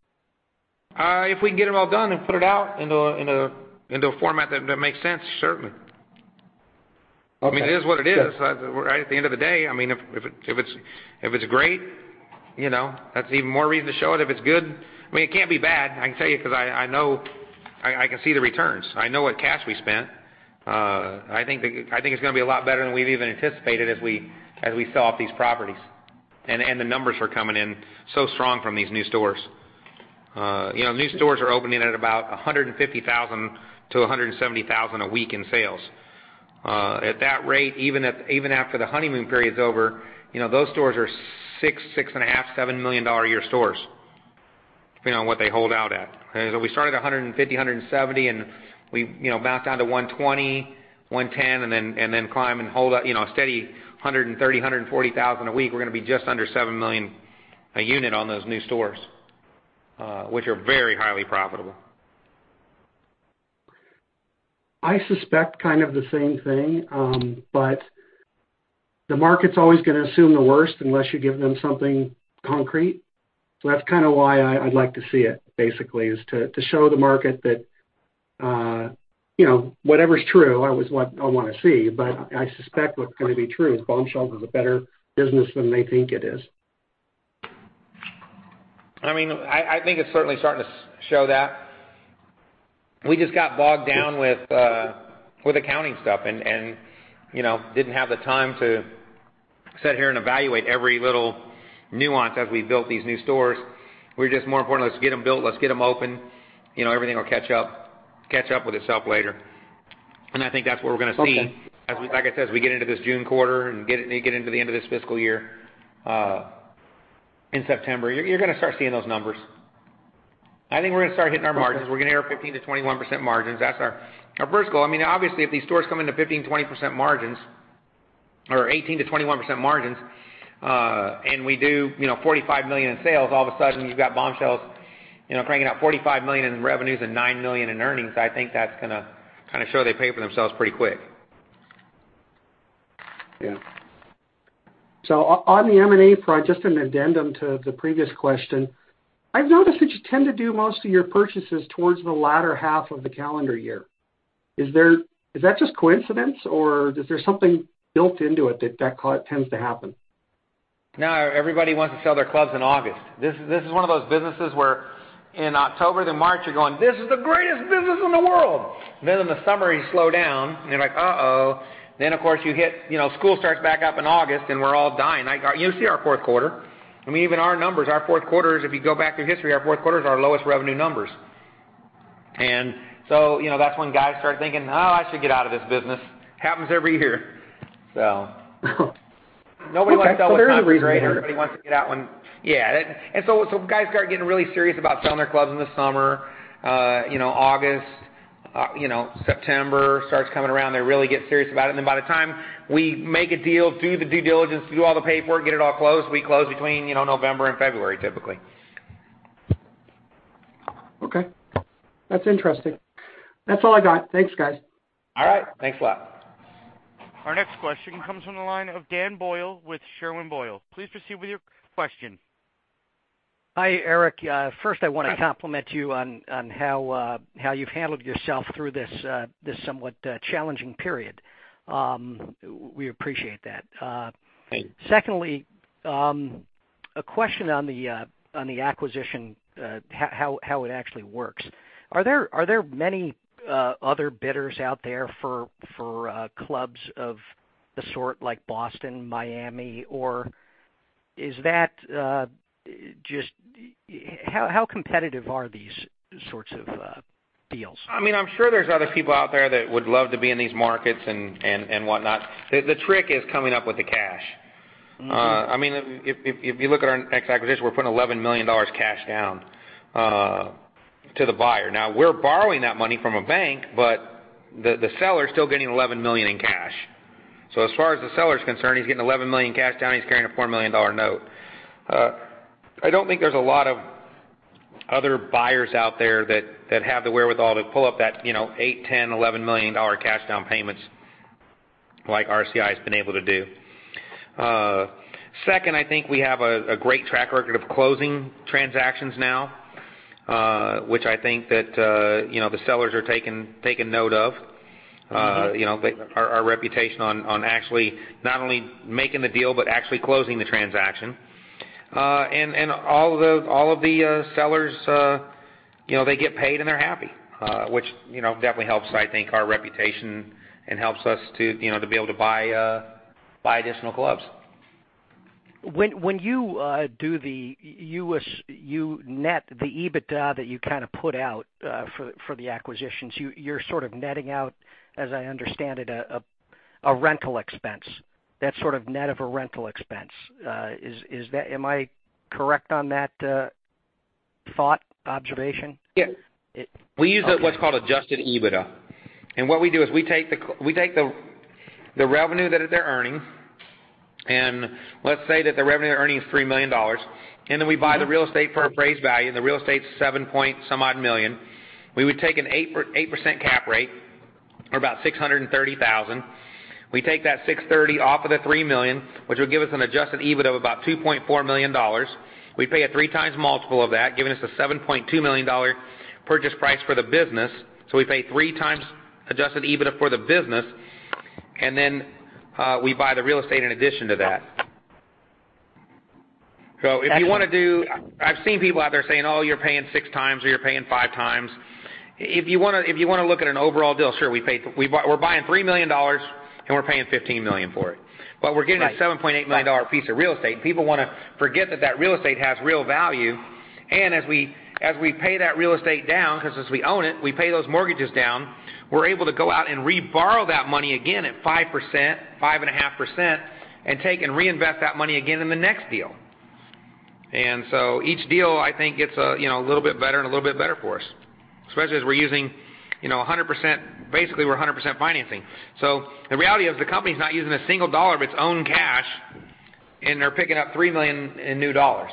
S3: If we can get them all done and put it out into a format that makes sense, certainly.
S8: Okay.
S3: It is what it is. At the end of the day, if it's great, that's even more reason to show it. If it's good, it can't be bad, I can tell you, because I can see the returns. I know what cash we spent. I think it's going to be a lot better than we've even anticipated as we sell off these properties, and the numbers are coming in so strong from these new stores. New stores are opening at about $150,000-$170,000 a week in sales. At that rate, even after the honeymoon period's over, those stores are $6 million, $6.5 million, $7 million a year stores, depending on what they hold out at. We start at $150,000, $170,000, and we bounce down to $120,000, $110,000, and then climb and hold a steady $130,000-$140,000 a week. We're going to be just under $7 million a unit on those new stores, which are very highly profitable.
S8: I suspect kind of the same thing. The market's always going to assume the worst unless you give them something concrete. That's kind of why I'd like to see it, basically, is to show the market that whatever's true, I want to see. I suspect what's going to be true is Bombshells is a better business than they think it is.
S3: I think it's certainly starting to show that. We just got bogged down with accounting stuff and didn't have the time to sit here and evaluate every little nuance as we built these new stores. More important, let's get them built, let's get them open, everything will catch up with itself later. I think that's what we're going to see.
S8: Okay
S3: like I said, as we get into this June quarter and get into the end of this fiscal year in September, you're going to start seeing those numbers. I think we're going to start hitting our margins. We're going to hit our 15%-21% margins. That's our first goal. Obviously, if these stores come into 15%-20% margins, or 18%-21% margins, and we do $45 million in sales, all of a sudden, you've got Bombshells cranking out $45 million in revenues and $9 million in earnings. I think that's going to show they pay for themselves pretty quick.
S8: Yeah. On the M&A front, just an addendum to the previous question. I've noticed that you tend to do most of your purchases towards the latter half of the calendar year. Is that just coincidence, or is there something built into it that tends to happen?
S3: No, everybody wants to sell their clubs in August. This is one of those businesses where in October to March, you're going, "This is the greatest business in the world." In the summer, you slow down, and you're like, "Uh-oh." Of course, school starts back up in August, and we're all dying. You see our fourth quarter. Even our numbers, our fourth quarter is, if you go back through history, our fourth quarter is our lowest revenue numbers. That's when guys start thinking, "Oh, I should get out of this business." Happens every year. Nobody wants to sell when.
S8: Okay, there's a reason there.
S3: Times are great. Yeah, guys start getting really serious about selling their clubs in the summer. August, September starts coming around, they really get serious about it. By the time we make a deal, do the due diligence, do all the paperwork, get it all closed, we close between November and February, typically.
S8: Okay. That's interesting. That's all I got. Thanks, guys.
S3: All right. Thanks a lot.
S1: Our next question comes from the line of Daniel Boyle with Schwerin Boyle Capital Management. Please proceed with your question.
S9: Hi, Eric Langan. First I want to compliment you on how you've handled yourself through this somewhat challenging period. We appreciate that.
S3: Thanks.
S9: Secondly, a question on the acquisition, how it actually works. Are there many other bidders out there for clubs of the sort, like Boston, Miami, or how competitive are these sorts of deals?
S3: I'm sure there's other people out there that would love to be in these markets and whatnot. The trick is coming up with the cash. If you look at our next acquisition, we're putting $11 million cash down to the buyer. We're borrowing that money from a bank, but the seller's still getting $11 million in cash. As far as the seller's concerned, he's getting $11 million cash down, he's carrying a $4 million note. I don't think there's a lot of other buyers out there that have the wherewithal to pull up that $8 million, $10 million, $11 million cash down payments like RCI's been able to do. Second, I think we have a great track record of closing transactions now, which I think that the sellers are taking note of. Our reputation on actually not only making the deal but actually closing the transaction. All of the sellers, they get paid and they're happy, which definitely helps, I think, our reputation and helps us to be able to buy additional clubs.
S9: When you net the EBITDA that you kind of put out for the acquisitions, you're sort of netting out, as I understand it, a rental expense, that sort of net of a rental expense. Am I correct on that thought, observation?
S3: Yeah.
S9: Okay.
S3: We use what's called adjusted EBITDA. What we do is we take the revenue that they're earning, and let's say that the revenue they're earning is $3 million. We buy the real estate for appraised value, and the real estate's $7 point some odd million. We would take an 8% cap rate, or about $630,000. We take that $630,000 off of the $3 million, which would give us an adjusted EBITDA of about $2.4 million. We pay a three times multiple of that, giving us a $7.2 million purchase price for the business. We pay three times adjusted EBITDA for the business, and then we buy the real estate in addition to that.
S9: Excellent.
S3: If you want to do I've seen people out there saying, "Oh, you're paying six times or you're paying five times." If you want to look at an overall deal, sure, we're buying $3 million, and we're paying $15 million for it.
S9: Right.
S3: We're getting a $7.8 million piece of real estate, and people want to forget that that real estate has real value. As we pay that real estate down, because as we own it, we pay those mortgages down, we're able to go out and reborrow that money again at 5%, 5.5%, and take and reinvest that money again in the next deal. Each deal, I think, gets a little bit better and a little bit better for us, especially as we're using, basically we're 100% financing. The reality is the company's not using a single dollar of its own cash, and they're picking up $3 million in new dollars.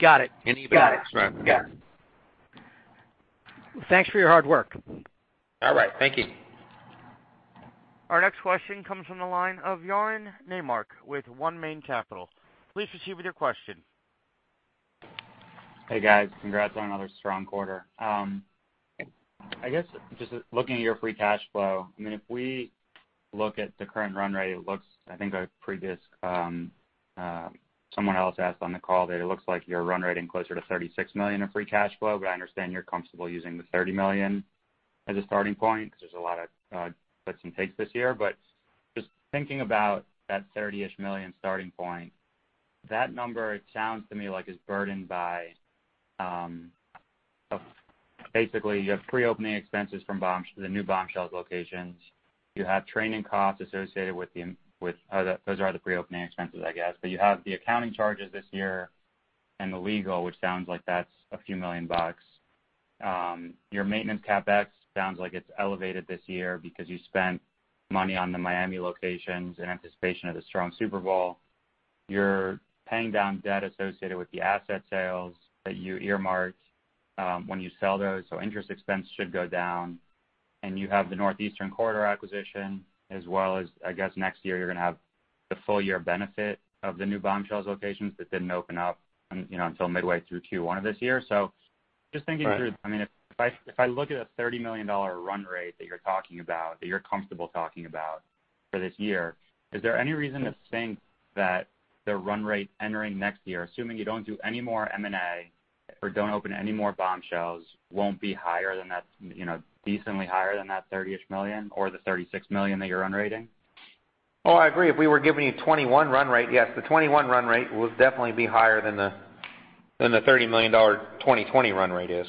S9: Got it.
S3: In EBITDA.
S9: Got it.
S3: That's right.
S9: Got it. Thanks for your hard work.
S3: All right. Thank you.
S1: Our next question comes from the line of Yaron Naymark with 1 Main Capital. Please proceed with your question.
S10: Hey, guys. Congrats on another strong quarter. I guess, just looking at your free cash flow, if we look at the current run rate, it looks, I think a previous, someone else asked on the call that it looks like your run rating closer to $36 million in free cash flow. There's a lot of gives and takes this year. Just thinking about that $30-ish million starting point, that number, it sounds to me like is burdened by, basically, you have pre-opening expenses from the new Bombshells locations. You have training costs associated with. Those are the pre-opening expenses, I guess. You have the accounting charges this year and the legal, which sounds like that's a few million bucks. Your maintenance CapEx sounds like it's elevated this year because you spent money on the Miami locations in anticipation of the strong Super Bowl. You're paying down debt associated with the asset sales that you earmarked, when you sell those, so interest expense should go down. You have the northeastern corridor acquisition as well as, I guess next year you're going to have the full year benefit of the new Bombshells locations that didn't open up until midway through Q1 of this year.
S3: Right.
S10: Just thinking through, if I look at a $30 million run rate that you're talking about, that you're comfortable talking about for this year, is there any reason to think that the run rate entering next year, assuming you don't do any more M&A or don't open any more Bombshells, won't be decently higher than that $30-ish million or the $36 million that you're run rating?
S3: Oh, I agree. If we were giving you a 2021 run rate, yes, the 2021 run rate will definitely be higher than the $30 million 2020 run rate is.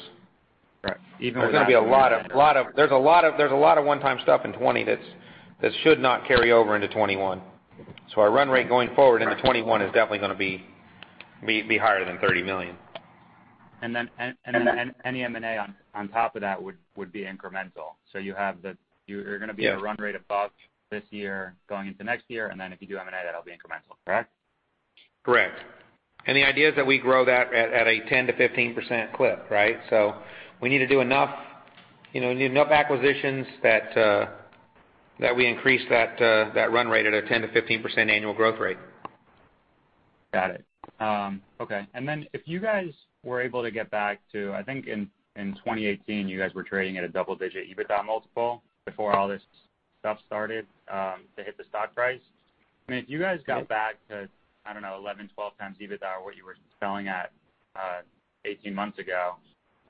S10: Right.
S3: There's a lot of one-time stuff in 2020 that should not carry over into 2021. Our run rate going forward into 2021 is definitely going to be higher than $30 million.
S10: Any M&A on top of that would be incremental. You're going to be at a run rate above this year going into next year, and then if you do M&A, that'll be incremental, correct?
S3: Correct. The idea is that we grow that at a 10%-15% clip, right? We need to do enough acquisitions that we increase that run rate at a 10%-15% annual growth rate.
S10: Got it. Okay. If you guys were able to get back to, I think in 2018, you guys were trading at a double-digit EBITDA multiple before all this stuff started to hit the stock price. If you guys got back to, I don't know, 11 times, 12 times EBITDA or what you were selling at 18 months ago,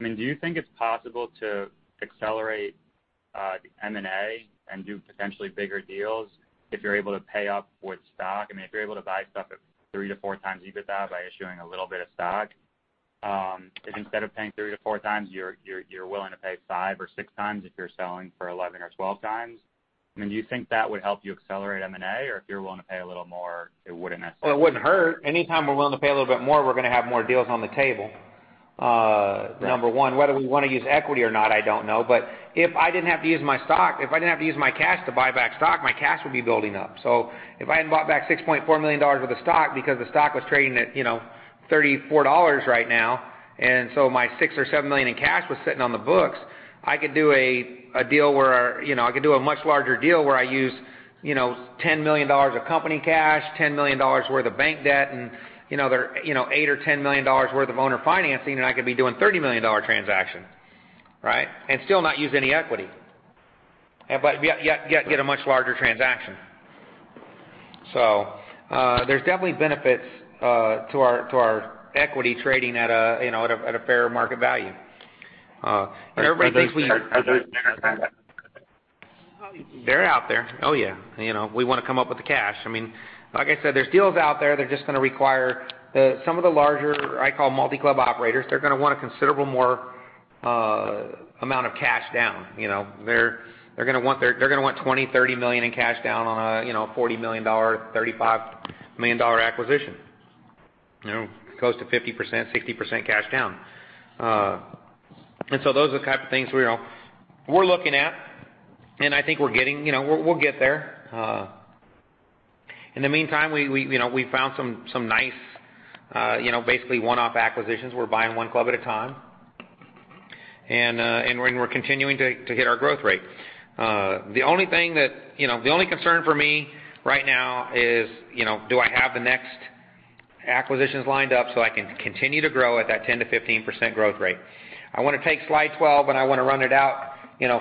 S10: do you think it's possible to accelerate M&A and do potentially bigger deals if you're able to pay up with stock? If you're able to buy stuff at three times to four times EBITDA by issuing a little bit of stock, if instead of paying three times to four times, you're willing to pay five times or six times if you're selling for 11 times or 12 times, do you think that would help you accelerate M&A? If you're willing to pay a little more, it wouldn't necessarily
S3: Well, it wouldn't hurt. Anytime we're willing to pay a little bit more, we're going to have more deals on the table.
S10: Right.
S3: Number one, whether we want to use equity or not, I don't know. If I didn't have to use my stock, if I didn't have to use my cash to buy back stock, my cash would be building up. If I hadn't bought back $6.4 million worth of stock because the stock was trading at $34 right now, my $6 million or $7 million in cash was sitting on the books, I could do a much larger deal where I use $10 million of company cash, $10 million worth of bank debt, and $8 million or $10 million worth of owner financing, and I could be doing a $30 million transaction, right? Still not use any equity. Yet get a much larger transaction. There's definitely benefits to our equity trading at a fair market value. Everybody thinks we.
S10: Are those?
S3: They're out there. Oh, yeah. We want to come up with the cash. Like I said, there's deals out there, they're just going to require Some of the larger, I call multi-club operators, they're going to want a considerable more amount of cash down. They're going to want $20 million, $30 million in cash down on a $40 million, $35 million acquisition. Close to 50%, 60% cash down. Those are the type of things we're looking at, and I think we'll get there. In the meantime, we found some nice, basically one-off acquisitions. We're buying one club at a time, and we're continuing to hit our growth rate. The only concern for me right now is, do I have the next acquisitions lined up so I can continue to grow at that 10%-15% growth rate? I want to take slide 12 and I want to run it out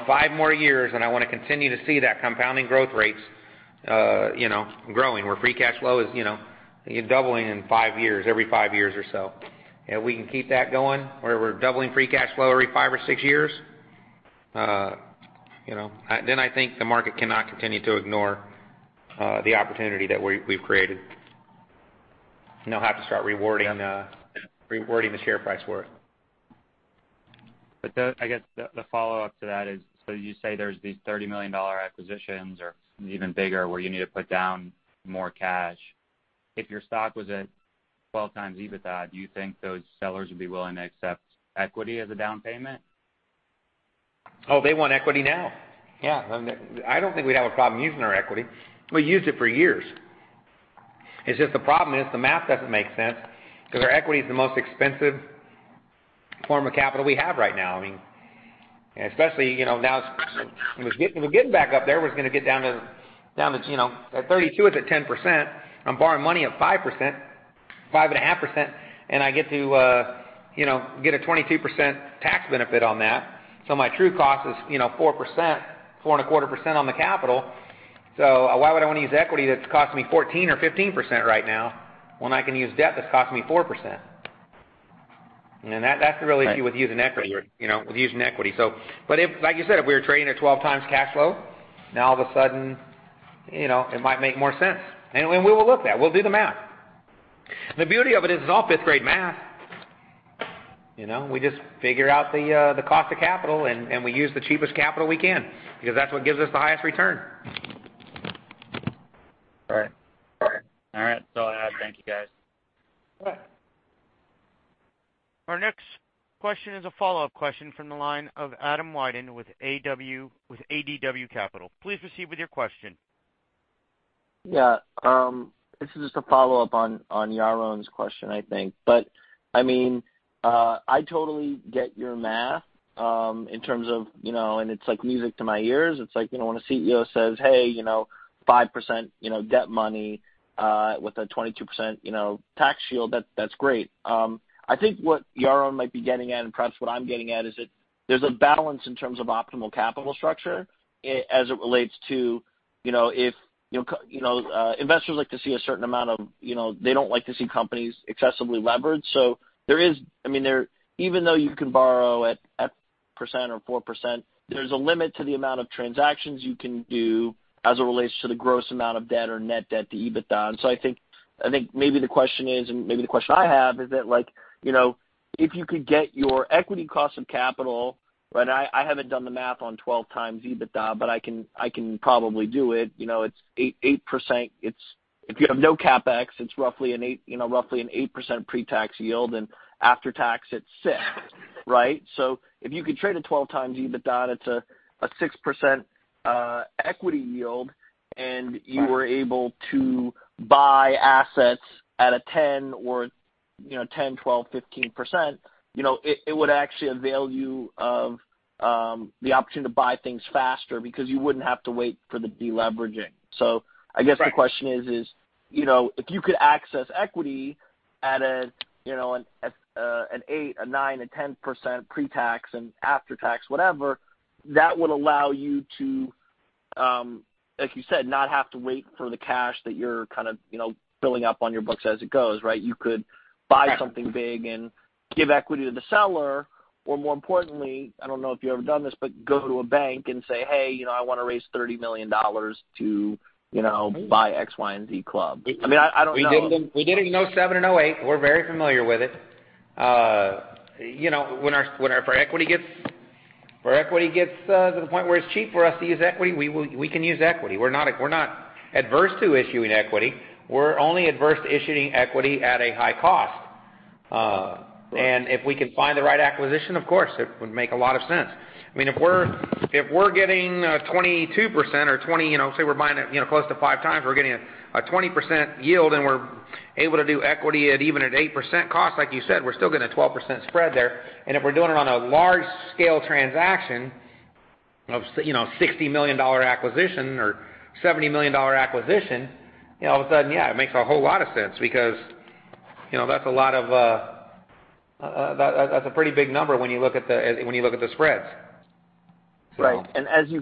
S3: five more years, and I want to continue to see that compounding growth rates growing, where free cash flow is doubling in five years, every five years or so. If we can keep that going, where we're doubling free cash flow every five or six years, then I think the market cannot continue to ignore the opportunity that we've created, and they'll have to start rewarding the share price for it.
S10: I guess the follow-up to that is, you say there's these $30 million acquisitions or even bigger where you need to put down more cash. If your stock was at 12 times EBITDA, do you think those sellers would be willing to accept equity as a down payment?
S3: Oh, they want equity now. Yeah. I don't think we'd have a problem using our equity. We used it for years. It's just the problem is, the math doesn't make sense because our equity is the most expensive form of capital we have right now. It was getting back up there, was going to get down to, at $32, it's at 10%. I'm borrowing money at 5%, 5.5%, and I get to get a 22% tax benefit on that. My true cost is 4.25% on the capital. Why would I want to use equity that's costing me 14% or 15% right now when I can use debt that's costing me 4%? That's the real issue with using equity. Like you said, if we were trading at 12 times cash flow, now all of a sudden, it might make more sense, and we will look at it. We'll do the math. The beauty of it is it's all fifth-grade math. We just figure out the cost of capital, we use the cheapest capital we can because that's what gives us the highest return.
S10: Right. All right. That's all I have. Thank you, guys.
S3: Yeah.
S1: Our next question is a follow-up question from the line of Adam Wyden with ADW Capital. Please proceed with your question.
S6: Yeah. This is just a follow-up on Yaron's question, I think. I totally get your math, and it's like music to my ears. It's like, when a CEO says, "Hey, 5% debt money with a 22% tax shield," that's great. I think what Yaron might be getting at, and perhaps what I'm getting at, is that there's a balance in terms of optimal capital structure as it relates to investors don't like to see companies excessively leveraged. Even though you can borrow at 5% or 4%, there's a limit to the amount of transactions you can do as it relates to the gross amount of debt or net debt to EBITDA. I think maybe the question is, and maybe the question I have, is that if you could get your equity cost of capital, and I haven't done the math on 12 times EBITDA, but I can probably do it. If you have no CapEx, it's roughly an 8% pretax yield, and after tax, it's 6%, right? If you could trade at 12 times EBITDA, that's a 6% equity yield, and you were able to buy assets at a 10%, 12%, 15%, it would actually avail you of the opportunity to buy things faster because you wouldn't have to wait for the deleveraging.
S3: Right.
S6: I guess my question is, if you could access equity at an 8%, a 9%, a 10% pretax and after-tax, whatever, that would allow you to, like you said, not have to wait for the cash that you're kind of building up on your books as it goes, right? You could buy something big and give equity to the seller, or more importantly, I don't know if you've ever done this, but go to a bank and say, "Hey, I want to raise $30 million to buy X, Y, and Z club." I don't know.
S3: We did it in 2007 and 2008. We're very familiar with it. When our equity gets to the point where it's cheap for us to use equity, we can use equity. We're not adverse to issuing equity. We're only adverse to issuing equity at a high cost. If we can find the right acquisition, of course, it would make a lot of sense. If we're getting 22% or 20%, say we're buying it close to five times, we're getting a 20% yield, and we're able to do equity at even at 8% cost, like you said, we're still getting a 12% spread there. If we're doing it on a large-scale transaction of $60 million acquisition or $70 million acquisition, all of a sudden, yeah, it makes a whole lot of sense because that's a pretty big number when you look at the spreads.
S6: Right. As you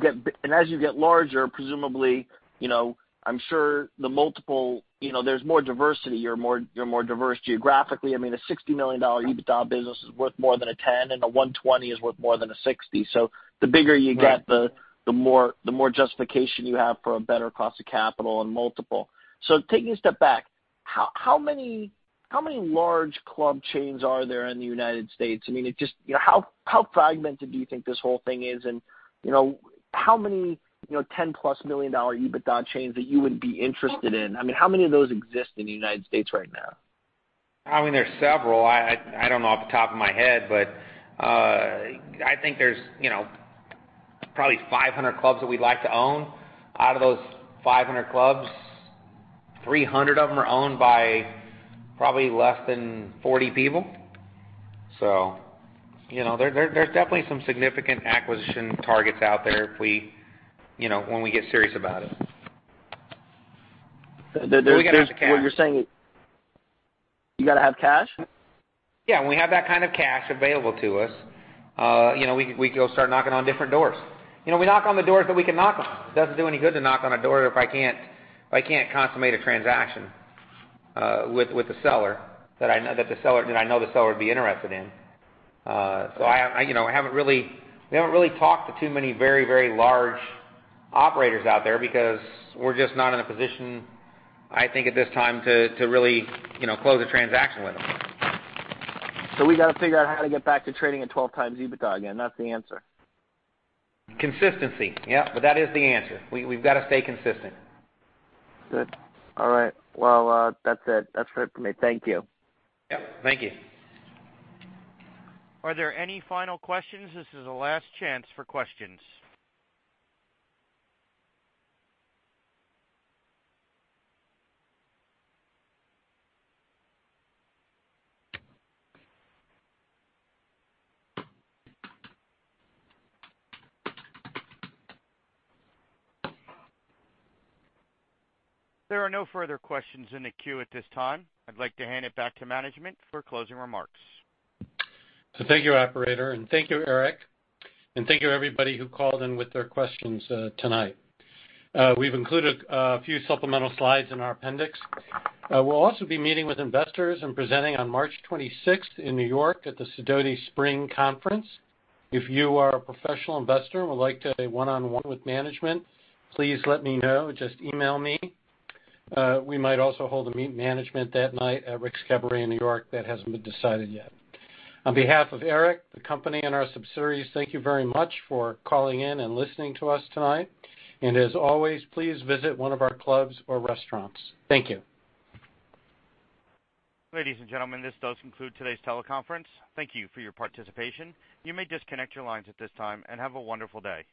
S6: get larger, presumably, I'm sure the multiple, there's more diversity. You're more diverse geographically. A $60 million EBITDA business is worth more than a $10, a $120 is worth more than a $60. The bigger you get the more justification you have for a better cost of capital and multiple. Taking a step back, how many large club chains are there in the U.S.? How fragmented do you think this whole thing is? How many $10+ million EBITDA chains that you would be interested in? How many of those exist in the U.S. right now?
S3: There's several. I don't know off the top of my head, but I think there's probably 500 clubs that we'd like to own. Out of those 500 clubs, 300 of them are owned by probably less than 40 people. There's definitely some significant acquisition targets out there when we get serious about it. We got to have the cash.
S6: What you're saying is you got to have cash?
S3: Yeah, when we have that kind of cash available to us, we can go start knocking on different doors. We knock on the doors that we can knock on. It doesn't do any good to knock on a door if I can't consummate a transaction with the seller, that I know the seller would be interested in. We haven't really talked to too many very large operators out there because we're just not in a position, I think, at this time to really close a transaction with them.
S6: We got to figure out how to get back to trading at 12 times EBITDA again. That's the answer.
S3: Consistency. Yeah, that is the answer. We've got to stay consistent.
S6: Good. All right. Well, that's it for me. Thank you.
S3: Yep, thank you.
S1: Are there any final questions? This is the last chance for questions. There are no further questions in the queue at this time. I'd like to hand it back to management for closing remarks.
S2: Thank you, operator, and thank you, Eric Langan, and thank you everybody who called in with their questions tonight. We've included a few supplemental slides in our appendix. We'll also be meeting with investors and presenting on March 26th in New York at the Sidoti Spring Conference. If you are a professional investor and would like to have a one-on-one with management, please let me know. Just email me. We might also hold a meet management that night at Rick's Cabaret in New York. That hasn't been decided yet. On behalf of Eric Langan, the company, and our subsidiaries, thank you very much for calling in and listening to us tonight. As always, please visit one of our clubs or restaurants. Thank you.
S1: Ladies and gentlemen, this does conclude today's teleconference. Thank you for your participation. You may disconnect your lines at this time, and have a wonderful day.